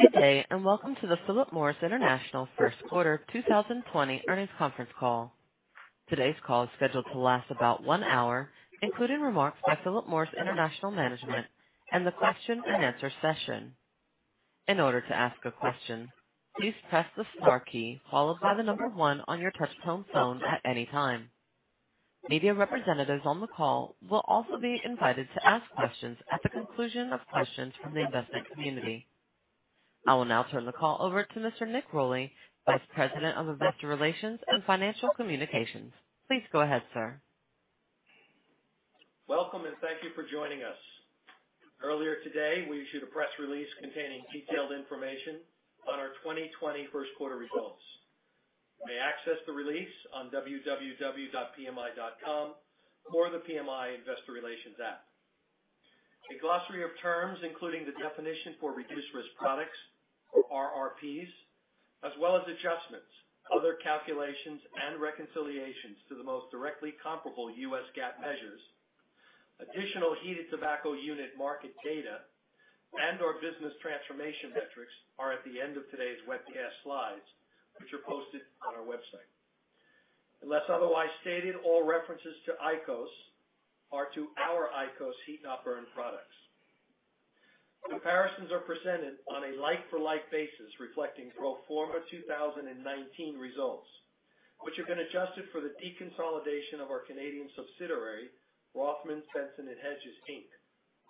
Good day. Welcome to the Philip Morris International first quarter of 2020 earnings conference call. Today's call is scheduled to last about one hour, including remarks by Philip Morris International management and the question and answer session. In order to ask a question, please press the star key followed by the number one on your touchtone phone at any time. Media representatives on the call will also be invited to ask questions at the conclusion of questions from the investment community. I will now turn the call over to Mr. Nick Rolli, Vice President of Investor Relations and Financial Communications. Please go ahead, sir. Welcome, and thank you for joining us. Earlier today, we issued a press release containing detailed information on our 2020 first quarter results. You may access the release on www.pmi.com or the PMI Investor Relations app. A glossary of terms, including the definition for reduced-risk products, RRPs, as well as adjustments, other calculations, and reconciliations to the most directly comparable US GAAP measures, additional heated tobacco unit market data, and/or business transformation metrics are at the end of today's webcast slides, which are posted on our website. Unless otherwise stated, all references to IQOS are to our IQOS heat-not-burn products. Comparisons are presented on a like-for-like basis reflecting pro forma 2019 results, which have been adjusted for the deconsolidation of our Canadian subsidiary, Rothmans, Benson & Hedges Inc.,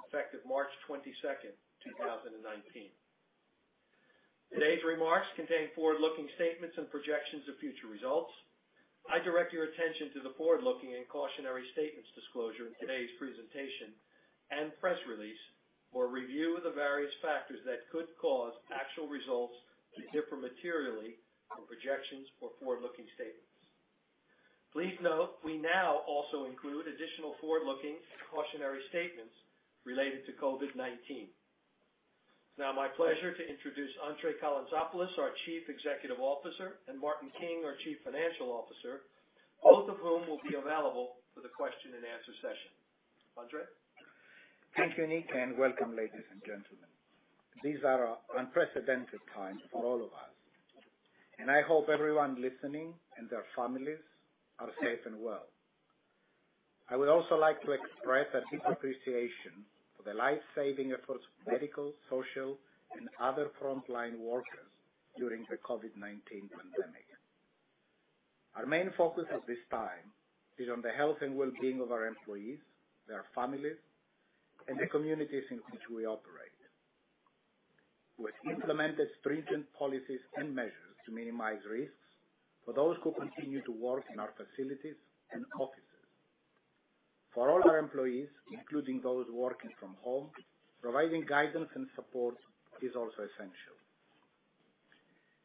effective March 22nd, 2019. Today's remarks contain forward-looking statements and projections of future results. I direct your attention to the forward-looking and cautionary statements disclosure in today's presentation and press release for review of the various factors that could cause actual results to differ materially from projections or forward-looking statements. Please note we now also include additional forward-looking and cautionary statements related to COVID-19. It's now my pleasure to introduce André Calantzopoulos, our Chief Executive Officer, and Martin King, our Chief Financial Officer, both of whom will be available for the question and answer session. André? Thank you, Nick, and welcome, ladies and gentlemen. These are unprecedented times for all of us, and I hope everyone listening and their families are safe and well. I would also like to express a deep appreciation for the life-saving efforts of medical, social, and other frontline workers during the COVID-19 pandemic. Our main focus at this time is on the health and well-being of our employees, their families, and the communities in which we operate. We have implemented stringent policies and measures to minimize risks for those who continue to work in our facilities and offices. For all our employees, including those working from home, providing guidance and support is also essential.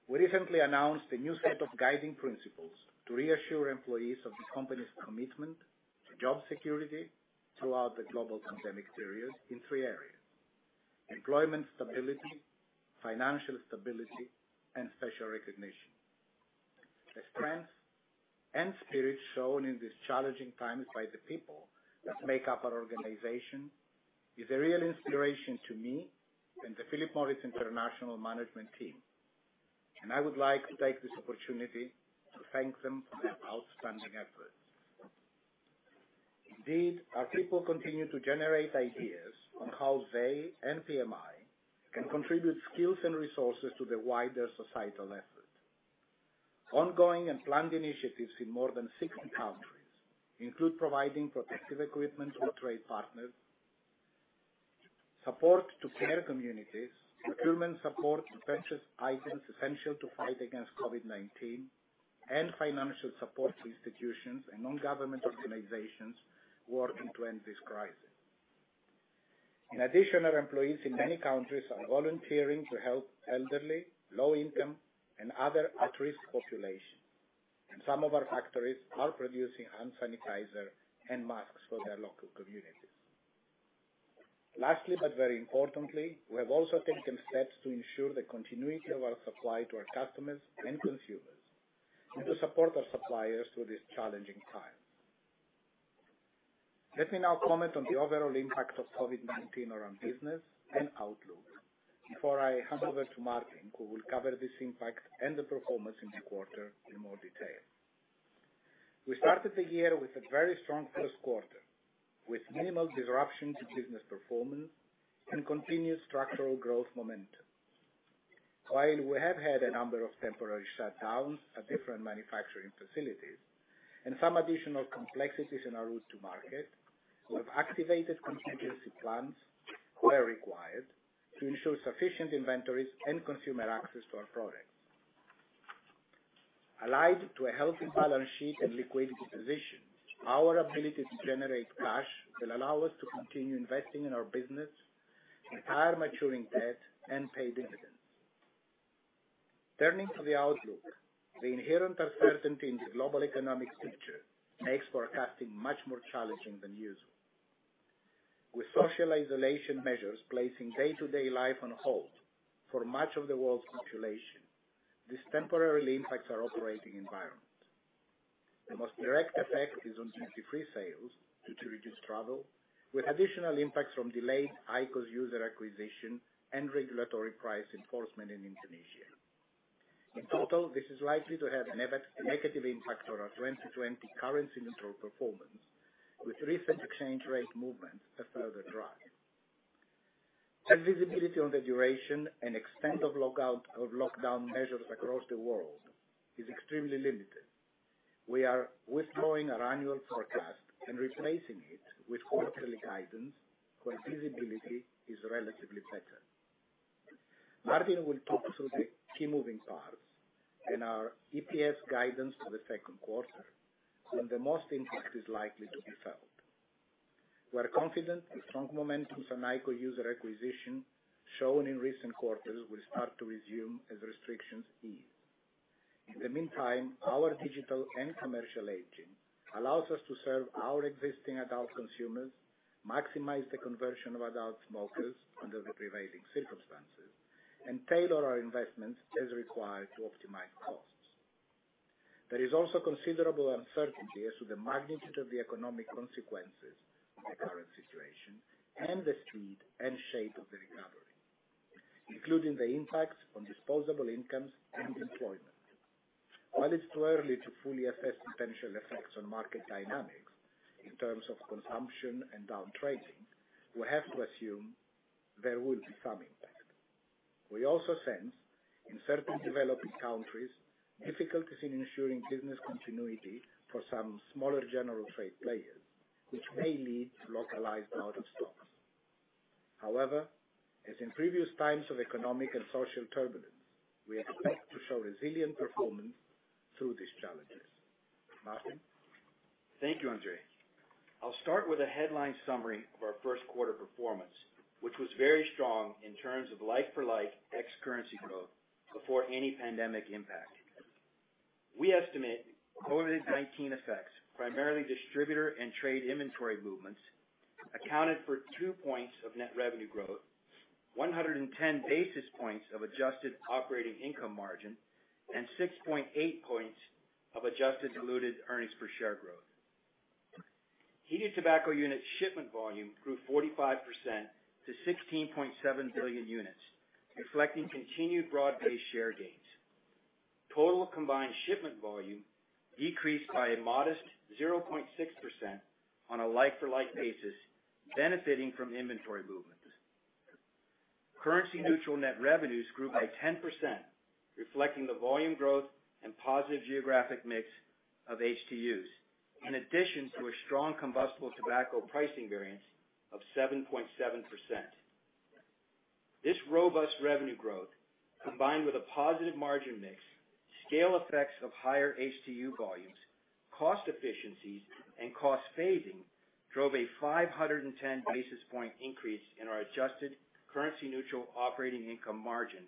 We recently announced a new set of guiding principles to reassure employees of the company's commitment to job security throughout the global pandemic period in three areas: employment stability, financial stability, and special recognition. The strength and spirit shown in these challenging times by the people that make up our organization is a real inspiration to me and the Philip Morris International management team. I would like to take this opportunity to thank them for their outstanding efforts. Indeed, our people continue to generate ideas on how they and PMI can contribute skills and resources to the wider societal effort. Ongoing and planned initiatives in more than 60 countries include providing protective equipment to trade partners, support to care communities, procurement support to purchase items essential to fight against COVID-19, and financial support to institutions and non-government organizations working to end this crisis. In addition, our employees in many countries are volunteering to help elderly, low-income, and other at-risk populations, and some of our factories are producing hand sanitizer and masks for their local communities. Lastly, but very importantly, we have also taken steps to ensure the continuity of our supply to our customers and consumers and to support our suppliers through this challenging time. Let me now comment on the overall impact of COVID-19 around business and outlook before I hand over to Martin, who will cover this impact and the performance in the quarter in more detail. We started the year with a very strong first quarter, with minimal disruption to business performance and continued structural growth momentum. While we have had a number of temporary shutdowns at different manufacturing facilities and some additional complexities in our route to market, we have activated contingency plans where required to ensure sufficient inventories and consumer access to our products. Aligned to a healthy balance sheet and liquidity position, our ability to generate cash will allow us to continue investing in our business, retire maturing debt, and pay dividends. Turning to the outlook, the inherent uncertainty in the global economic picture makes forecasting much more challenging than usual. With social isolation measures placing day-to-day life on hold for much of the world's population, this temporarily impacts our operating environment. The most direct effect is on duty-free sales due to reduced travel, with additional impacts from delayed IQOS user acquisition and regulatory price enforcement in Indonesia. In total, this is likely to have a negative impact on our 2020 currency-neutral performance, with recent exchange rate movements a further drag. Our visibility on the duration and extent of lockdown measures across the world is extremely limited. We are withdrawing our annual forecast and replacing it with quarterly guidance, where visibility is relatively better. Martin will talk through the key moving parts in our EPS guidance for the second quarter, when the most impact is likely to be felt. We are confident the strong momentum from IQOS user acquisition shown in recent quarters will start to resume as restrictions ease. In the meantime, our digital and commercial engine allows us to serve our existing adult consumers, maximize the conversion of adult smokers under the prevailing circumstances, and tailor our investments as required to optimize costs. There is also considerable uncertainty as to the magnitude of the economic consequences of the current situation and the speed and shape of the recovery, including the impacts on disposable incomes and employment. While it's too early to fully assess potential effects on market dynamics in terms of consumption and down-trading, we have to assume there will be some impact. We also sense, in certain developing countries, difficulties in ensuring business continuity for some smaller general trade players, which may lead to localized out of stocks. However, as in previous times of economic and social turbulence, we expect to show resilient performance through these challenges. Martin? Thank you, André. I'll start with a headline summary of our first quarter performance, which was very strong in terms of like-for-like ex-currency growth before any pandemic impact. We estimate COVID-19 effects, primarily distributor and trade inventory movements, accounted for 2 points of net revenue growth, 110 basis points of adjusted operating income margin, and 6.8 points of adjusted diluted earnings per share growth. Heated tobacco unit shipment volume grew 45% to 16.7 billion units, reflecting continued broad-based share gains. Total combined shipment volume decreased by a modest 0.6% on a like-for-like basis, benefiting from inventory movements. Currency neutral net revenues grew by 10%, reflecting the volume growth and positive geographic mix of HTUs, in addition to a strong combustible tobacco pricing variance of 7.7%. This robust revenue growth, combined with a positive margin mix, scale effects of higher HTU volumes, cost efficiencies, and cost phasing, drove a 510 basis point increase in our adjusted currency neutral operating income margin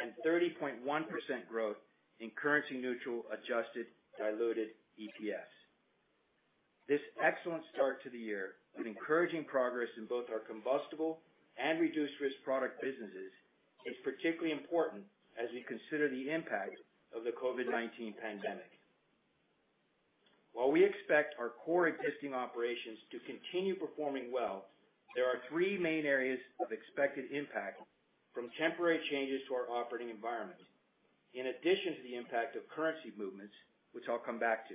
and 30.1% growth in currency neutral adjusted diluted EPS. This excellent start to the year with encouraging progress in both our combustible and reduced-risk product businesses is particularly important as we consider the impact of the COVID-19 pandemic. While we expect our core existing operations to continue performing well, there are three main areas of expected impact from temporary changes to our operating environment, in addition to the impact of currency movements, which I'll come back to.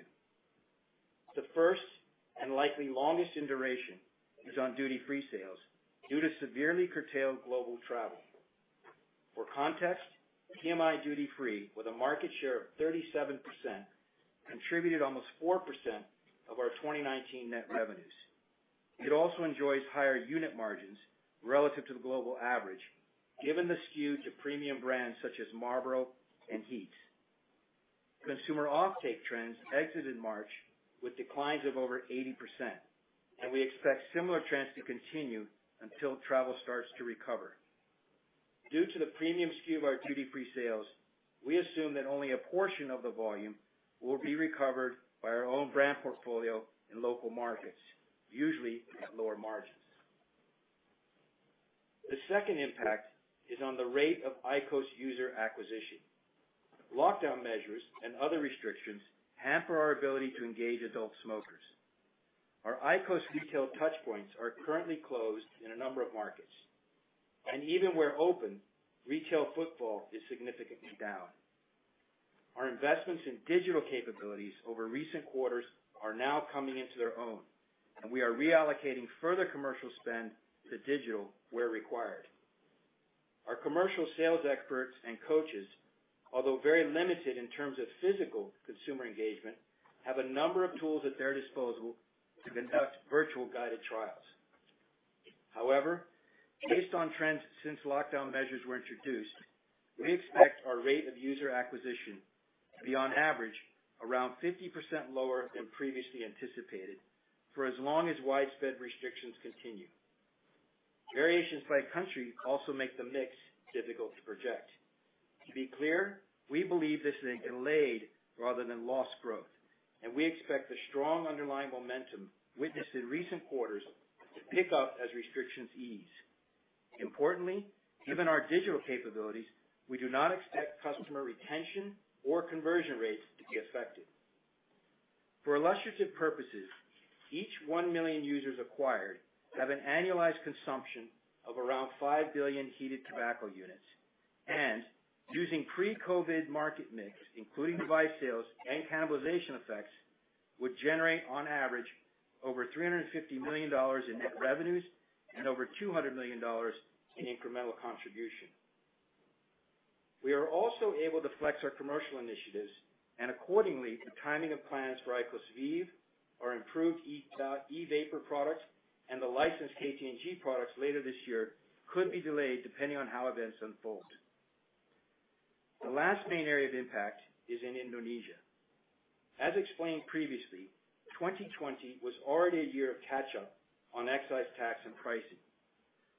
The first, and likely longest in duration, is on duty-free sales due to severely curtailed global travel. For context, PMI duty-free, with a market share of 37%, contributed almost 4% of our 2019 net revenues. It also enjoys higher unit margins relative to the global average, given the skew to premium brands such as Marlboro and HEETS. Consumer offtake trends exited March with declines of over 80%, and we expect similar trends to continue until travel starts to recover. Due to the premium skew of our duty-free sales, we assume that only a portion of the volume will be recovered by our own brand portfolio in local markets, usually at lower margins. The second impact is on the rate of IQOS user acquisition. Lockdown measures and other restrictions hamper our ability to engage adult smokers. Our IQOS retail touchpoints are currently closed in a number of markets, and even where open, retail footfall is significantly down. Our investments in digital capabilities over recent quarters are now coming into their own, and we are reallocating further commercial spend to digital where required. Our commercial sales experts and coaches, although very limited in terms of physical consumer engagement, have a number of tools at their disposal to conduct virtual guided trials. However, based on trends since lockdown measures were introduced, we expect our rate of user acquisition to be on average around 50% lower than previously anticipated for as long as widespread restrictions continue. Variations by country also make the mix difficult to project. To be clear, we believe this is a delayed rather than lost growth, and we expect the strong underlying momentum witnessed in recent quarters to pick up as restrictions ease. Importantly, given our digital capabilities, we do not expect customer retention or conversion rates to be affected. For illustrative purposes, each 1 million users acquired have an annualized consumption of around 5 billion Heated Tobacco Units, and using pre-COVID market mix, including device sales and cannibalization effects, would generate on average over $350 million in net revenues and over $200 million in incremental contribution. Accordingly, the timing of plans for IQOS VEEV, our improved e-vapor products, and the licensed KT&G products later this year could be delayed depending on how events unfold. The last main area of impact is in Indonesia. As explained previously, 2020 was already a year of catch-up on excise tax and pricing.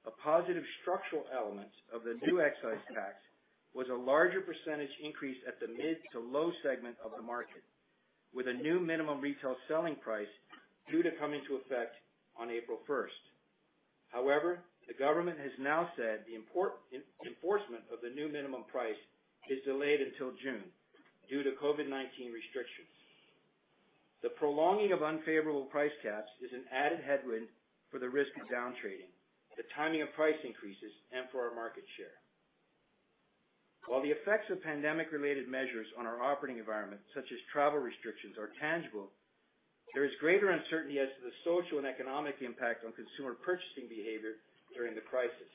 A positive structural element of the new excise tax was a larger percentage increase at the mid to low segment of the market, with a new minimum retail selling price due to come into effect on April 1st. However, the government has now said the enforcement of the new minimum price is delayed until June due to COVID-19 restrictions. The prolonging of unfavorable price caps is an added headwind for the risk of down trading, the timing of price increases, and for our market share. While the effects of pandemic-related measures on our operating environment, such as travel restrictions, are tangible, there is greater uncertainty as to the social and economic impact on consumer purchasing behavior during the crisis.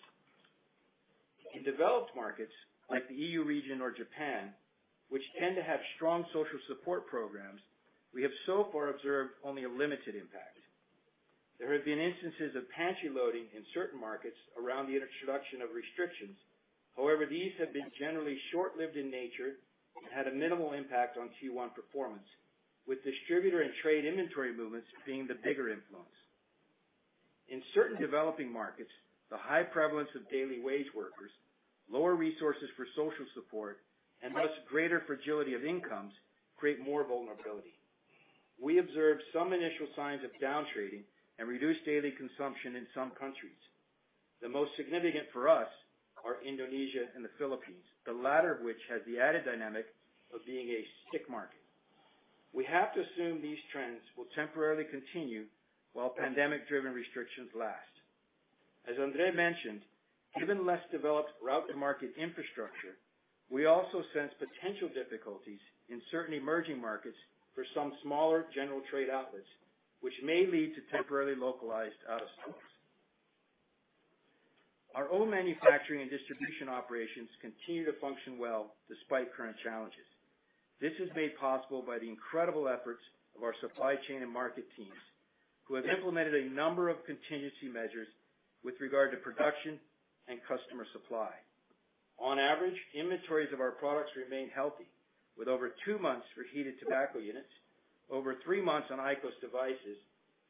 In developed markets, like the EU region or Japan, which tend to have strong social support programs, we have so far observed only a limited impact. There have been instances of pantry loading in certain markets around the introduction of restrictions. However, these have been generally short-lived in nature and had a minimal impact on Q1 performance, with distributor and trade inventory movements being the bigger influence. In certain developing markets, the high prevalence of daily wage workers, lower resources for social support, and thus greater fragility of incomes create more vulnerability. We observed some initial signs of down trading and reduced daily consumption in some countries. The most significant for us are Indonesia and the Philippines, the latter of which has the added dynamic of being a stick market. We have to assume these trends will temporarily continue while pandemic-driven restrictions last. As André mentioned, given less developed route-to-market infrastructure, we also sense potential difficulties in certain emerging markets for some smaller general trade outlets, which may lead to temporarily localized out of stocks. Our own manufacturing and distribution operations continue to function well despite current challenges. This is made possible by the incredible efforts of our supply chain and market teams, who have implemented a number of contingency measures with regard to production and customer supply. On average, inventories of our products remain healthy, with over two months for Heated Tobacco Units, over three months on IQOS devices,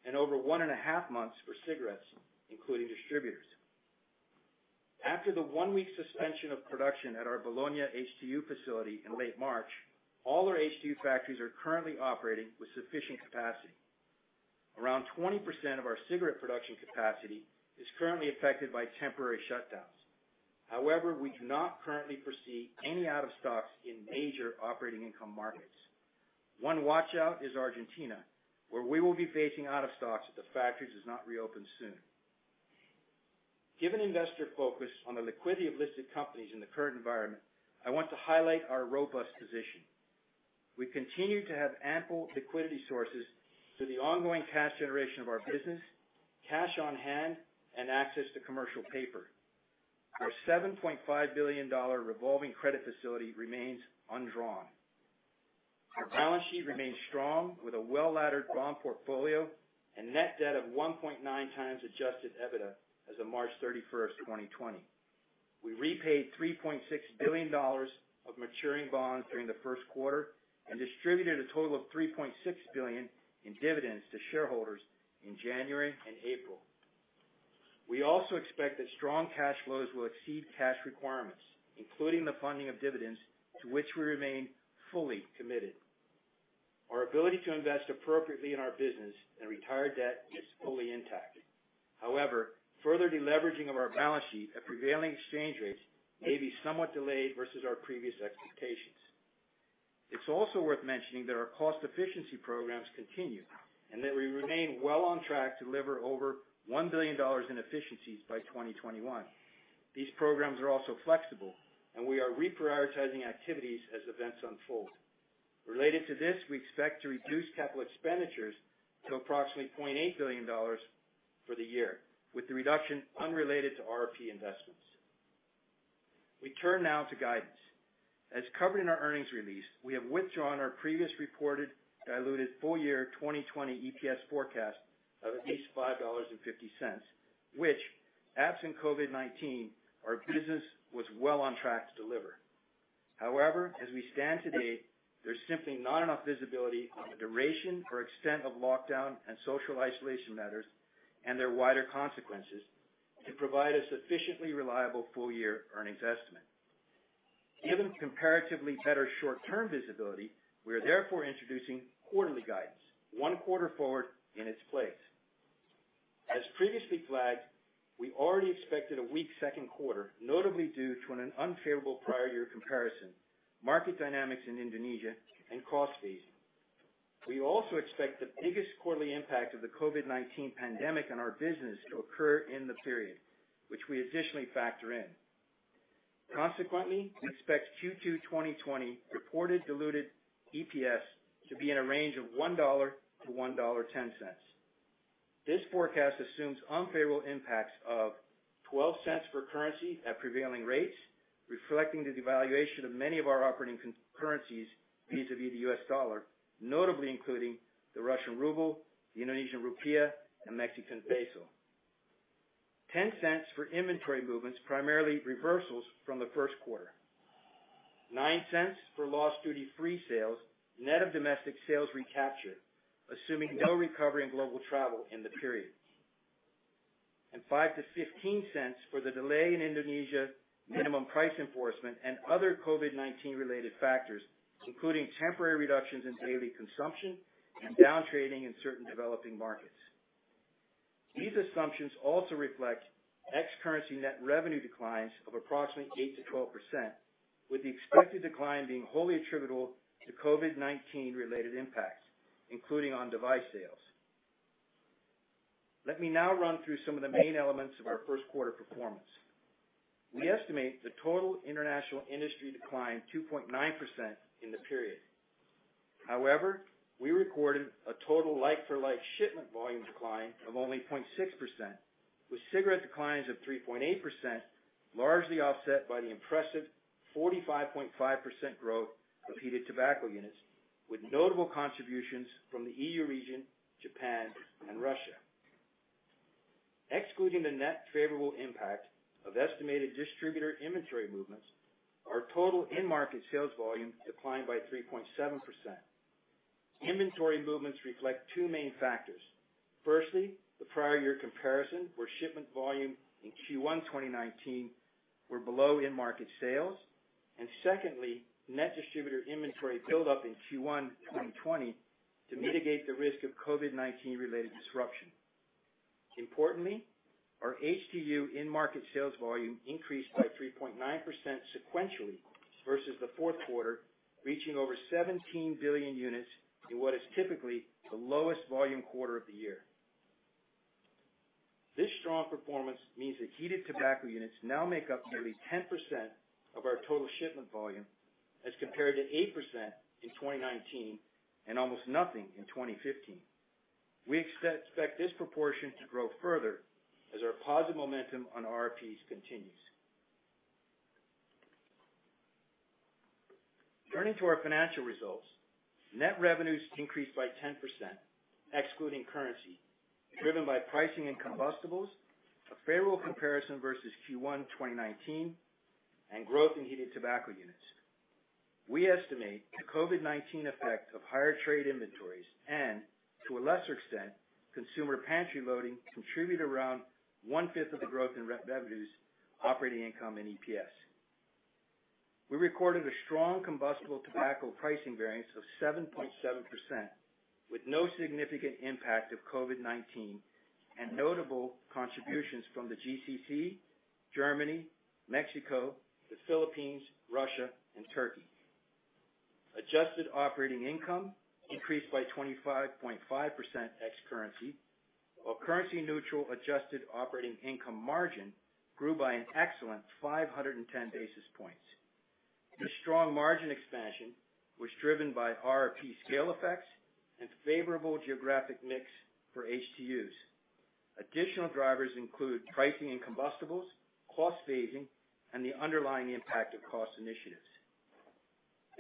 and over one and a half months for cigarettes, including distributors. After the one-week suspension of production at our Bologna HTU facility in late March, all our HTU factories are currently operating with sufficient capacity. Around 20% of our cigarette production capacity is currently affected by temporary shutdowns. However, we do not currently foresee any out of stocks in major operating income markets. One watch-out is Argentina, where we will be facing out of stocks if the factories do not reopen soon. Given investor focus on the liquidity of listed companies in the current environment, I want to highlight our robust position. We continue to have ample liquidity sources through the ongoing cash generation of our business, cash on hand, and access to commercial paper. Our $7.5 billion revolving credit facility remains undrawn. Our balance sheet remains strong, with a well-laddered bond portfolio and net debt of 1.9x adjusted EBITDA as of March 31st, 2020. We repaid $3.6 billion of maturing bonds during the first quarter and distributed a total of $3.6 billion in dividends to shareholders in January and April. We also expect that strong cash flows will exceed cash requirements, including the funding of dividends to which we remain fully committed. Our ability to invest appropriately in our business and retire debt is fully intact. However, further deleveraging of our balance sheet at prevailing exchange rates may be somewhat delayed versus our previous expectations. It's also worth mentioning that our cost efficiency programs continue, and that we remain well on track to deliver over $1 billion in efficiencies by 2021. These programs are also flexible, and we are reprioritizing activities as events unfold. Related to this, we expect to reduce capital expenditures to approximately $0.8 billion for the year, with the reduction unrelated to RRP investments. We turn now to guidance. As covered in our earnings release, we have withdrawn our previous reported diluted full-year 2020 EPS forecast of at least $5.50, which, absent COVID-19, our business was well on track to deliver. However, as we stand today, there's simply not enough visibility on the duration or extent of lockdown and social isolation measures and their wider consequences to provide a sufficiently reliable full-year earnings estimate. Given comparatively better short-term visibility, we are therefore introducing quarterly guidance, one quarter forward in its place. As previously flagged, we already expected a weak second quarter, notably due to an unfavorable prior year comparison, market dynamics in Indonesia, and cost phasing. We also expect the biggest quarterly impact of the COVID-19 pandemic on our business to occur in the period, which we additionally factor in. Consequently, we expect Q2 2020 reported diluted EPS to be in a range of $1-$1.10. This forecast assumes unfavorable impacts of $0.12 per currency at prevailing rates, reflecting the devaluation of many of our operating currencies vis-a-vis the US dollar, notably including the Russian ruble, the Indonesian rupiah, and Mexican peso. $0.10 for inventory movements, primarily reversals from the first quarter. $0.09 for loss duty-free sales, net of domestic sales recapture, assuming no recovery in global travel in the period. $0.05-$0.15 for the delay in Indonesia minimum price enforcement and other COVID-19 related factors, including temporary reductions in daily consumption and down-trading in certain developing markets. These assumptions also reflect ex-currency net revenue declines of approximately 8%-12%, with the expected decline being wholly attributable to COVID-19 related impacts, including on device sales. Let me now run through some of the main elements of our first quarter performance. We estimate the total international industry declined 2.9% in the period. However, we recorded a total like-for-like shipment volume decline of only 0.6%, with cigarette declines of 3.8%, largely offset by the impressive 45.5% growth of heated tobacco units, with notable contributions from the EU region, Japan, and Russia. Excluding the net favorable impact of estimated distributor inventory movements, our total in-market sales volume declined by 3.7%. Inventory movements reflect two main factors. Firstly, the prior year comparison where shipment volume in Q1 2019 were below in-market sales. Secondly, net distributor inventory buildup in Q1 2020 to mitigate the risk of COVID-19 related disruption. Importantly, our HTU in-market sales volume increased by 3.9% sequentially, versus the fourth quarter, reaching over 17 billion units in what is typically the lowest volume quarter of the year. This strong performance means that heated tobacco units now make up nearly 10% of our total shipment volume as compared to 8% in 2019 and almost nothing in 2015. We expect this proportion to grow further as our positive momentum on RRPs continues. Turning to our financial results. Net revenues increased by 10%, excluding currency, driven by pricing and combustibles, a favorable comparison versus Q1 2019, and growth in heated tobacco units. We estimate the COVID-19 effect of higher trade inventories and, to a lesser extent, consumer pantry loading contribute around one-fifth of the growth in revenues, operating income and EPS. We recorded a strong combustible tobacco pricing variance of 7.7%, with no significant impact of COVID-19 and notable contributions from the GCC, Germany, Mexico, the Philippines, Russia, and Turkey. Adjusted operating income increased by 25.5% ex-currency, while currency neutral adjusted operating income margin grew by an excellent 510 basis points. This strong margin expansion was driven by RRP scale effects and favorable geographic mix for HTUs. Additional drivers include pricing and combustibles, cost phasing, and the underlying impact of cost initiatives.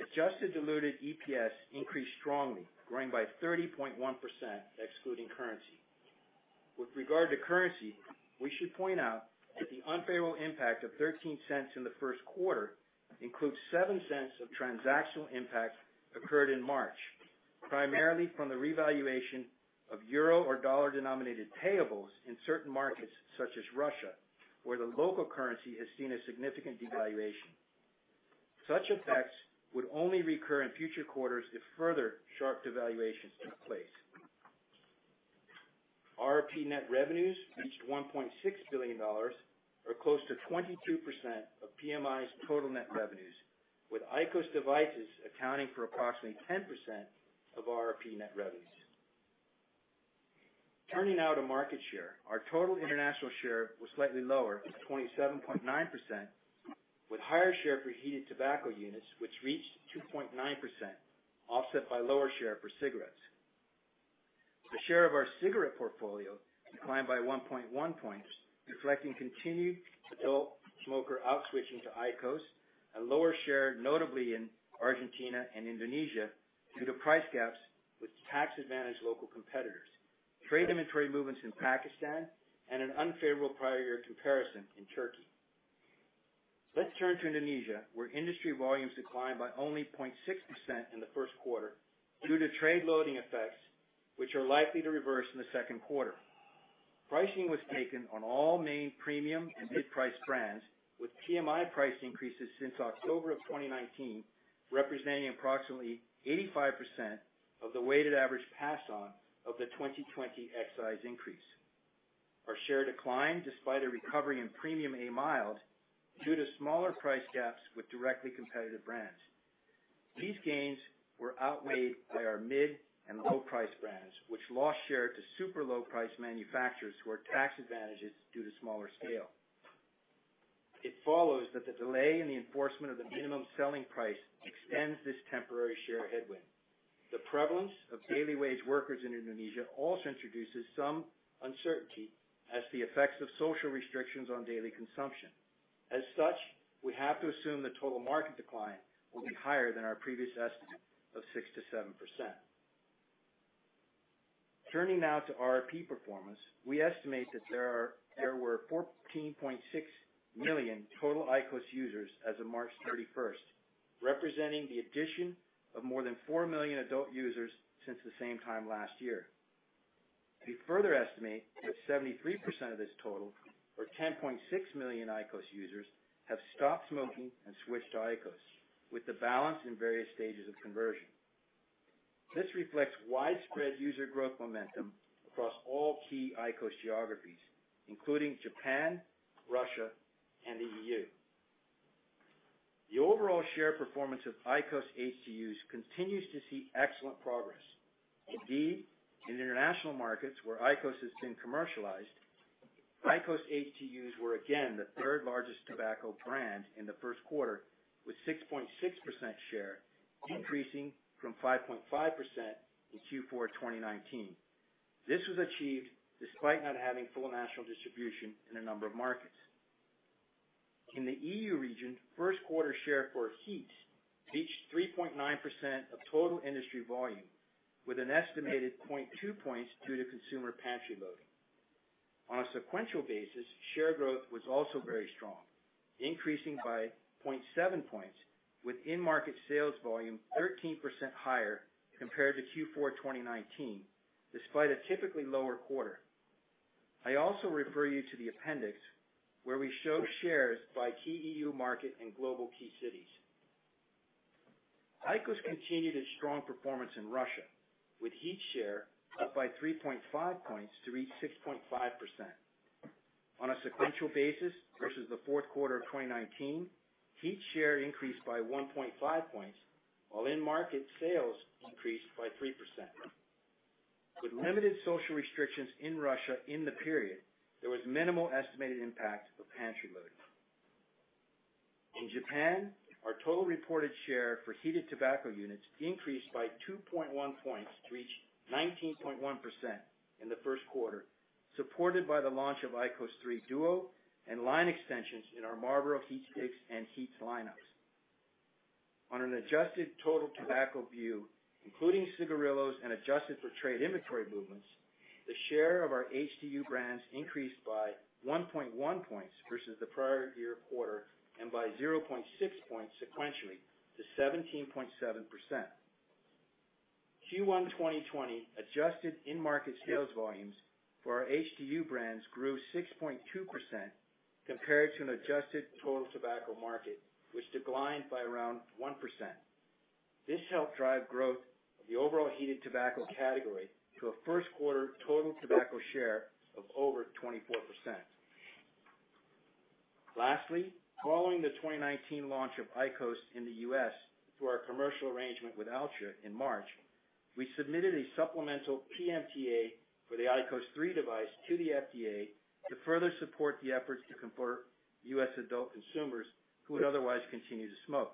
Adjusted diluted EPS increased strongly, growing by 30.1%, excluding currency. With regard to currency, we should point out that the unfavorable impact of $0.13 in the first quarter includes $0.07 of transactional impact occurred in March, primarily from the revaluation of euro or dollar denominated payables in certain markets such as Russia, where the local currency has seen a significant devaluation. Such effects would only recur in future quarters if further sharp devaluations took place. RRP net revenues reached $1.6 billion, or close to 22% of PMI's total net revenues, with IQOS devices accounting for approximately 10% of RRP net revenues. Turning now to market share. Our total international share was slightly lower at 27.9%, with higher share for heated tobacco units, which reached 2.9%, offset by lower share for cigarettes. The share of our cigarette portfolio declined by 1.1 points, reflecting continued adult smoker out-switching to IQOS, a lower share notably in Argentina and Indonesia due to price gaps with tax-advantaged local competitors, trade inventory movements in Pakistan, and an unfavorable prior year comparison in Turkey. Let's turn to Indonesia, where industry volumes declined by only 0.6% in the first quarter due to trade loading effects, which are likely to reverse in the second quarter. Pricing was taken on all main premium and mid-price brands, with PMI price increases since October of 2019, representing approximately 85% of the weighted average pass-on of the 2020 excise increase. Our share declined despite a recovery in premium A Mild, due to smaller price gaps with directly competitive brands. These gains were outweighed by our mid and low price brands, which lost share to super low price manufacturers who are tax advantaged due to smaller scale. It follows that the delay in the enforcement of the minimum selling price extends this temporary share headwind. The prevalence of daily wage workers in Indonesia also introduces some uncertainty as to the effects of social restrictions on daily consumption. As such, we have to assume the total market decline will be higher than our previous estimate of 6%-7%. Turning now to RP performance, we estimate that there were 14.6 million total IQOS users as of March 31st, representing the addition of more than 4 million adult users since the same time last year. We further estimate that 73% of this total, or 10.6 million IQOS users, have stopped smoking and switched to IQOS, with the balance in various stages of conversion. This reflects widespread user growth momentum across all key IQOS geographies, including Japan, Russia, and the EU. The overall share performance of IQOS HTUs continues to see excellent progress. Indeed, in international markets where IQOS has been commercialized, IQOS HTUs were again the third largest tobacco brand in the first quarter, with 6.6% share, increasing from 5.5% in Q4 2019. This was achieved despite not having full national distribution in a number of markets. In the EU region, first quarter share for HEETS reached 3.9% of total industry volume, with an estimated 0.2 points due to consumer pantry loading. On a sequential basis, share growth was also very strong, increasing by 0.7 points, with in-market sales volume 13% higher compared to Q4 2019, despite a typically lower quarter. I also refer you to the appendix, where we show shares by key EU market and global key cities. IQOS continued its strong performance in Russia, with HEETS share up by 3.5 points to reach 6.5%. On a sequential basis versus the fourth quarter of 2019, HEETS share increased by 1.5 points, while in-market sales increased by 3%. With limited social restrictions in Russia in the period, there was minimal estimated impact of pantry loading. In Japan, our total reported share for Heated Tobacco Units increased by 2.1 points to reach 19.1% in the first quarter, supported by the launch of IQOS 3 DUO and line extensions in our Marlboro HeatSticks and HEETS lineups. On an adjusted total tobacco view, including cigarillos and adjusted for trade inventory movements, the share of our HTU brands increased by 1.1 points versus the prior year quarter, and by 0.6 points sequentially to 17.7%. Q1 2020 adjusted in-market sales volumes for our HTU brands grew 6.2% compared to an adjusted total tobacco market, which declined by around 1%. This helped drive growth of the overall heated tobacco category to a first quarter total tobacco share of over 24%. Lastly, following the 2019 launch of IQOS in the U.S., through our commercial arrangement with Altria in March, we submitted a supplemental PMTA for the IQOS 3 device to the FDA to further support the efforts to convert U.S. adult consumers who would otherwise continue to smoke.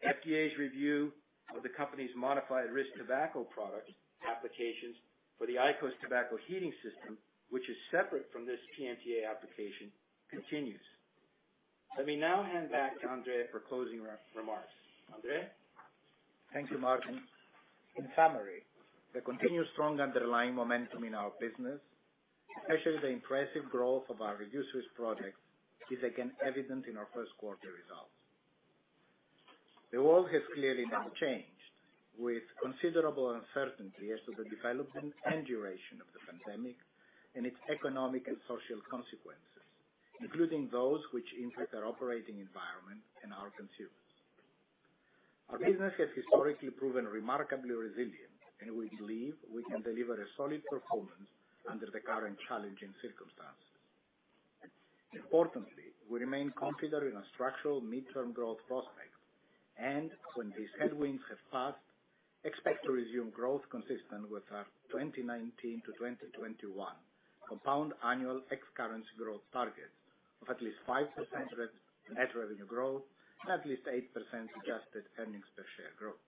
FDA's review of the company's modified risk tobacco product applications for the IQOS tobacco heating system, which is separate from this PMTA application, continues. Let me now hand back to André for closing remarks. André? Thank you, Martin. In summary, the continued strong underlying momentum in our business, especially the impressive growth of our Reduced-Risk Products, is again evident in our first quarter results. The world has clearly now changed, with considerable uncertainty as to the development and duration of the pandemic and its economic and social consequences, including those which impact our operating environment and our consumers. Our business has historically proven remarkably resilient, and we believe we can deliver a solid performance under the current challenging circumstances. Importantly, we remain confident in our structural midterm growth prospects and, when these headwinds have passed, expect to resume growth consistent with our 2019-2021 compound annual x-currency growth target of at least 5% net revenue growth and at least 8% adjusted earnings per share growth.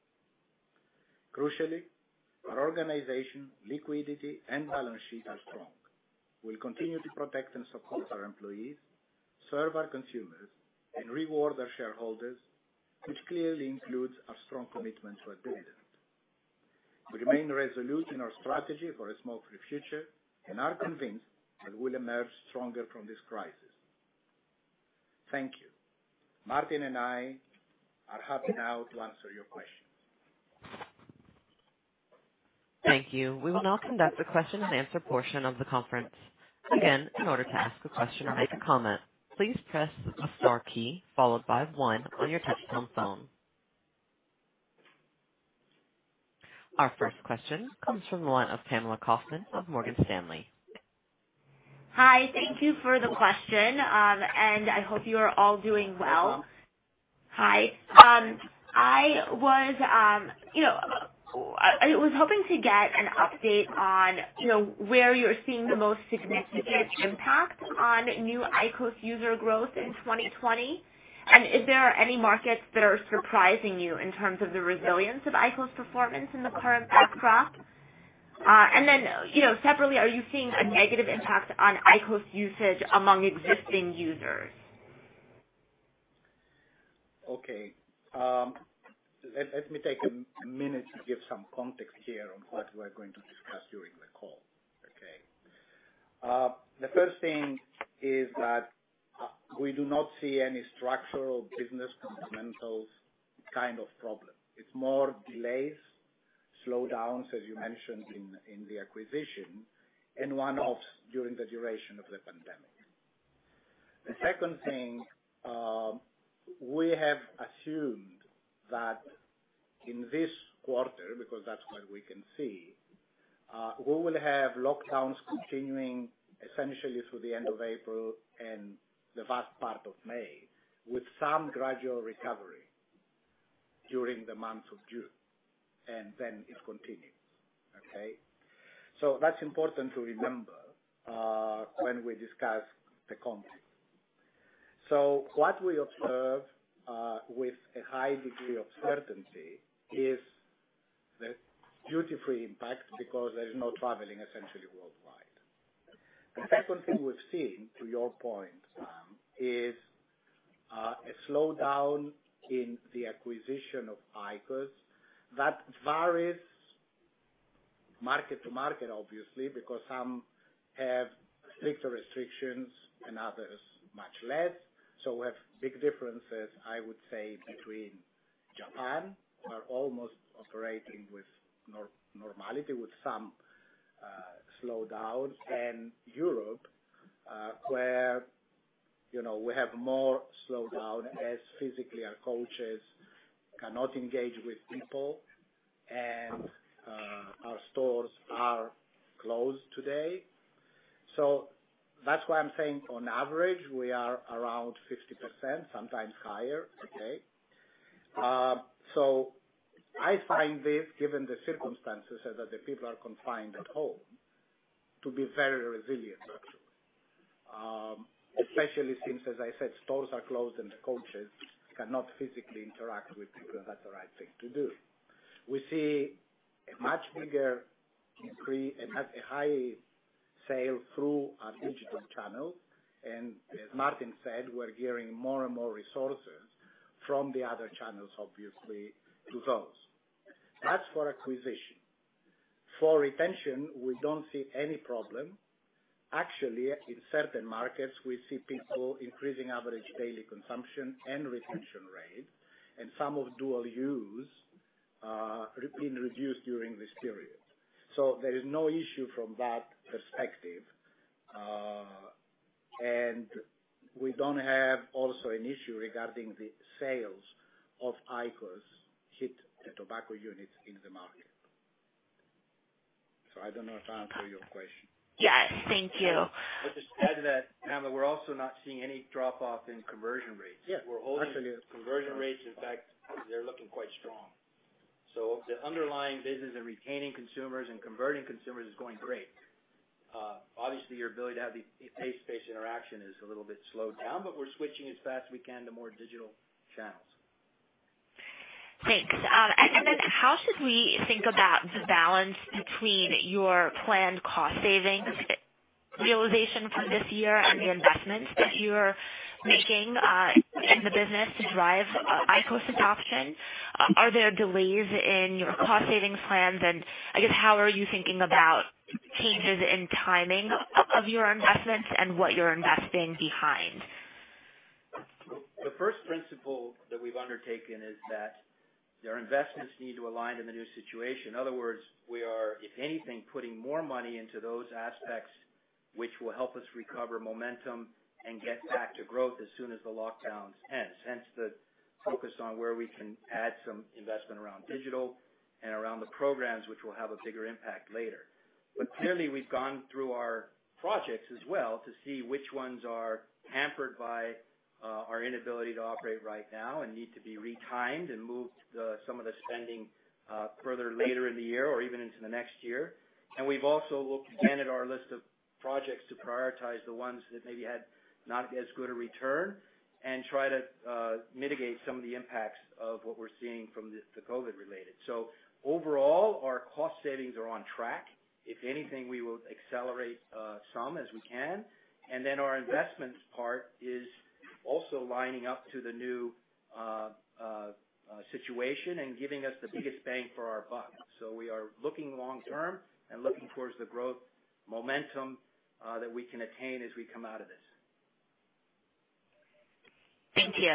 Crucially, our organization, liquidity, and balance sheet are strong. We'll continue to protect and support our employees, serve our consumers, and reward our shareholders, which clearly includes our strong commitment to our dividend. We remain resolute in our strategy for a smoke-free future and are convinced that we'll emerge stronger from this crisis. Thank you. Martin and I are happy now to answer your questions. Thank you. We will now conduct the question-and-answer portion of the conference. In order to ask a question or make a comment, please press the star key followed by one on your touch-tone phone. Our first question comes from the line of Pamela Kaufman of Morgan Stanley. Hi. Thank you for the question. I hope you are all doing well. Hi. I was hoping to get an update on where you're seeing the most significant impact on new IQOS user growth in 2020, and if there are any markets that are surprising you in terms of the resilience of IQOS performance in the current backdrop. Separately, are you seeing a negative impact on IQOS usage among existing users? Okay. Let me take a minute to give some context here on what we're going to discuss during the call. Okay. The first thing is that we do not see any structural business fundamentals kind of problem. It's more delays, slowdowns, as you mentioned, in the acquisition, and one-offs during the duration of the pandemic. The second thing, we have assumed that in this quarter, because that's what we can see, we will have lockdowns continuing essentially through the end of April and the vast part of May, with some gradual recovery during the month of June, and then it continues. Okay? That's important to remember when we discuss the context. What we observe, with a high degree of certainty, is the duty-free impact, because there's no traveling essentially worldwide. The second thing we've seen, to your point, Pamela, is a slowdown in the acquisition of IQOS that varies market to market, obviously, because some have stricter restrictions and others much less. We have big differences, I would say, between Japan, who are almost operating with normality, with some slowdown, and Europe, where we have more slowdown as physically our coaches cannot engage with people and our stores are closed today. That's why I'm saying, on average, we are around 50%, sometimes higher. Okay? I find this, given the circumstances, that the people are confined at home, to be very resilient, actually. Especially since, as I said, stores are closed and the coaches cannot physically interact with people. That's the right thing to do. We see a much bigger increase and a high sale through our digital channels. As Martin said, we're gearing more and more resources from the other channels, obviously, to those. That's for acquisition. For retention, we don't see any problem. Actually, in certain markets, we see people increasing average daily consumption and retention rate, and some of dual use being reduced during this period. There is no issue from that perspective. We don't have also an issue regarding the sales of IQOS heated tobacco units in the market. I don't know if I answered your question. Yes. Thank you. Just to add to that, Pamela, we're also not seeing any drop-off in conversion rates. Yeah. Absolutely. We're holding conversion rates. In fact, they're looking quite strong. The underlying business in retaining consumers and converting consumers is going great. Obviously, your ability to have the face-to-face interaction is a little bit slowed down, but we're switching as fast as we can to more digital channels. Thanks. How should we think about the balance between your planned cost savings realization from this year and the investments that you're making in the business to drive IQOS adoption? Are there delays in your cost-savings plans? I guess, how are you thinking about changes in timing of your investments and what you're investing behind? The first principle that we've undertaken is that their investments need to align to the new situation. In other words, we are, if anything, putting more money into those aspects which will help us recover momentum and get back to growth as soon as the lockdowns end. Hence, the focus on where we can add some investment around digital and around the programs, which will have a bigger impact later. Clearly, we've gone through our projects as well to see which ones are hampered by our inability to operate right now and need to be re-timed and move some of the spending further later in the year or even into the next year. We've also looked again at our list of projects to prioritize the ones that maybe had not as good a return and try to mitigate some of the impacts of what we're seeing from the COVID-19-related. Overall, our cost savings are on track. If anything, we will accelerate some as we can. Then our investments part is also lining up to the new situation and giving us the biggest bang for our buck. We are looking long-term and looking towards the growth momentum that we can attain as we come out of this. Thank you.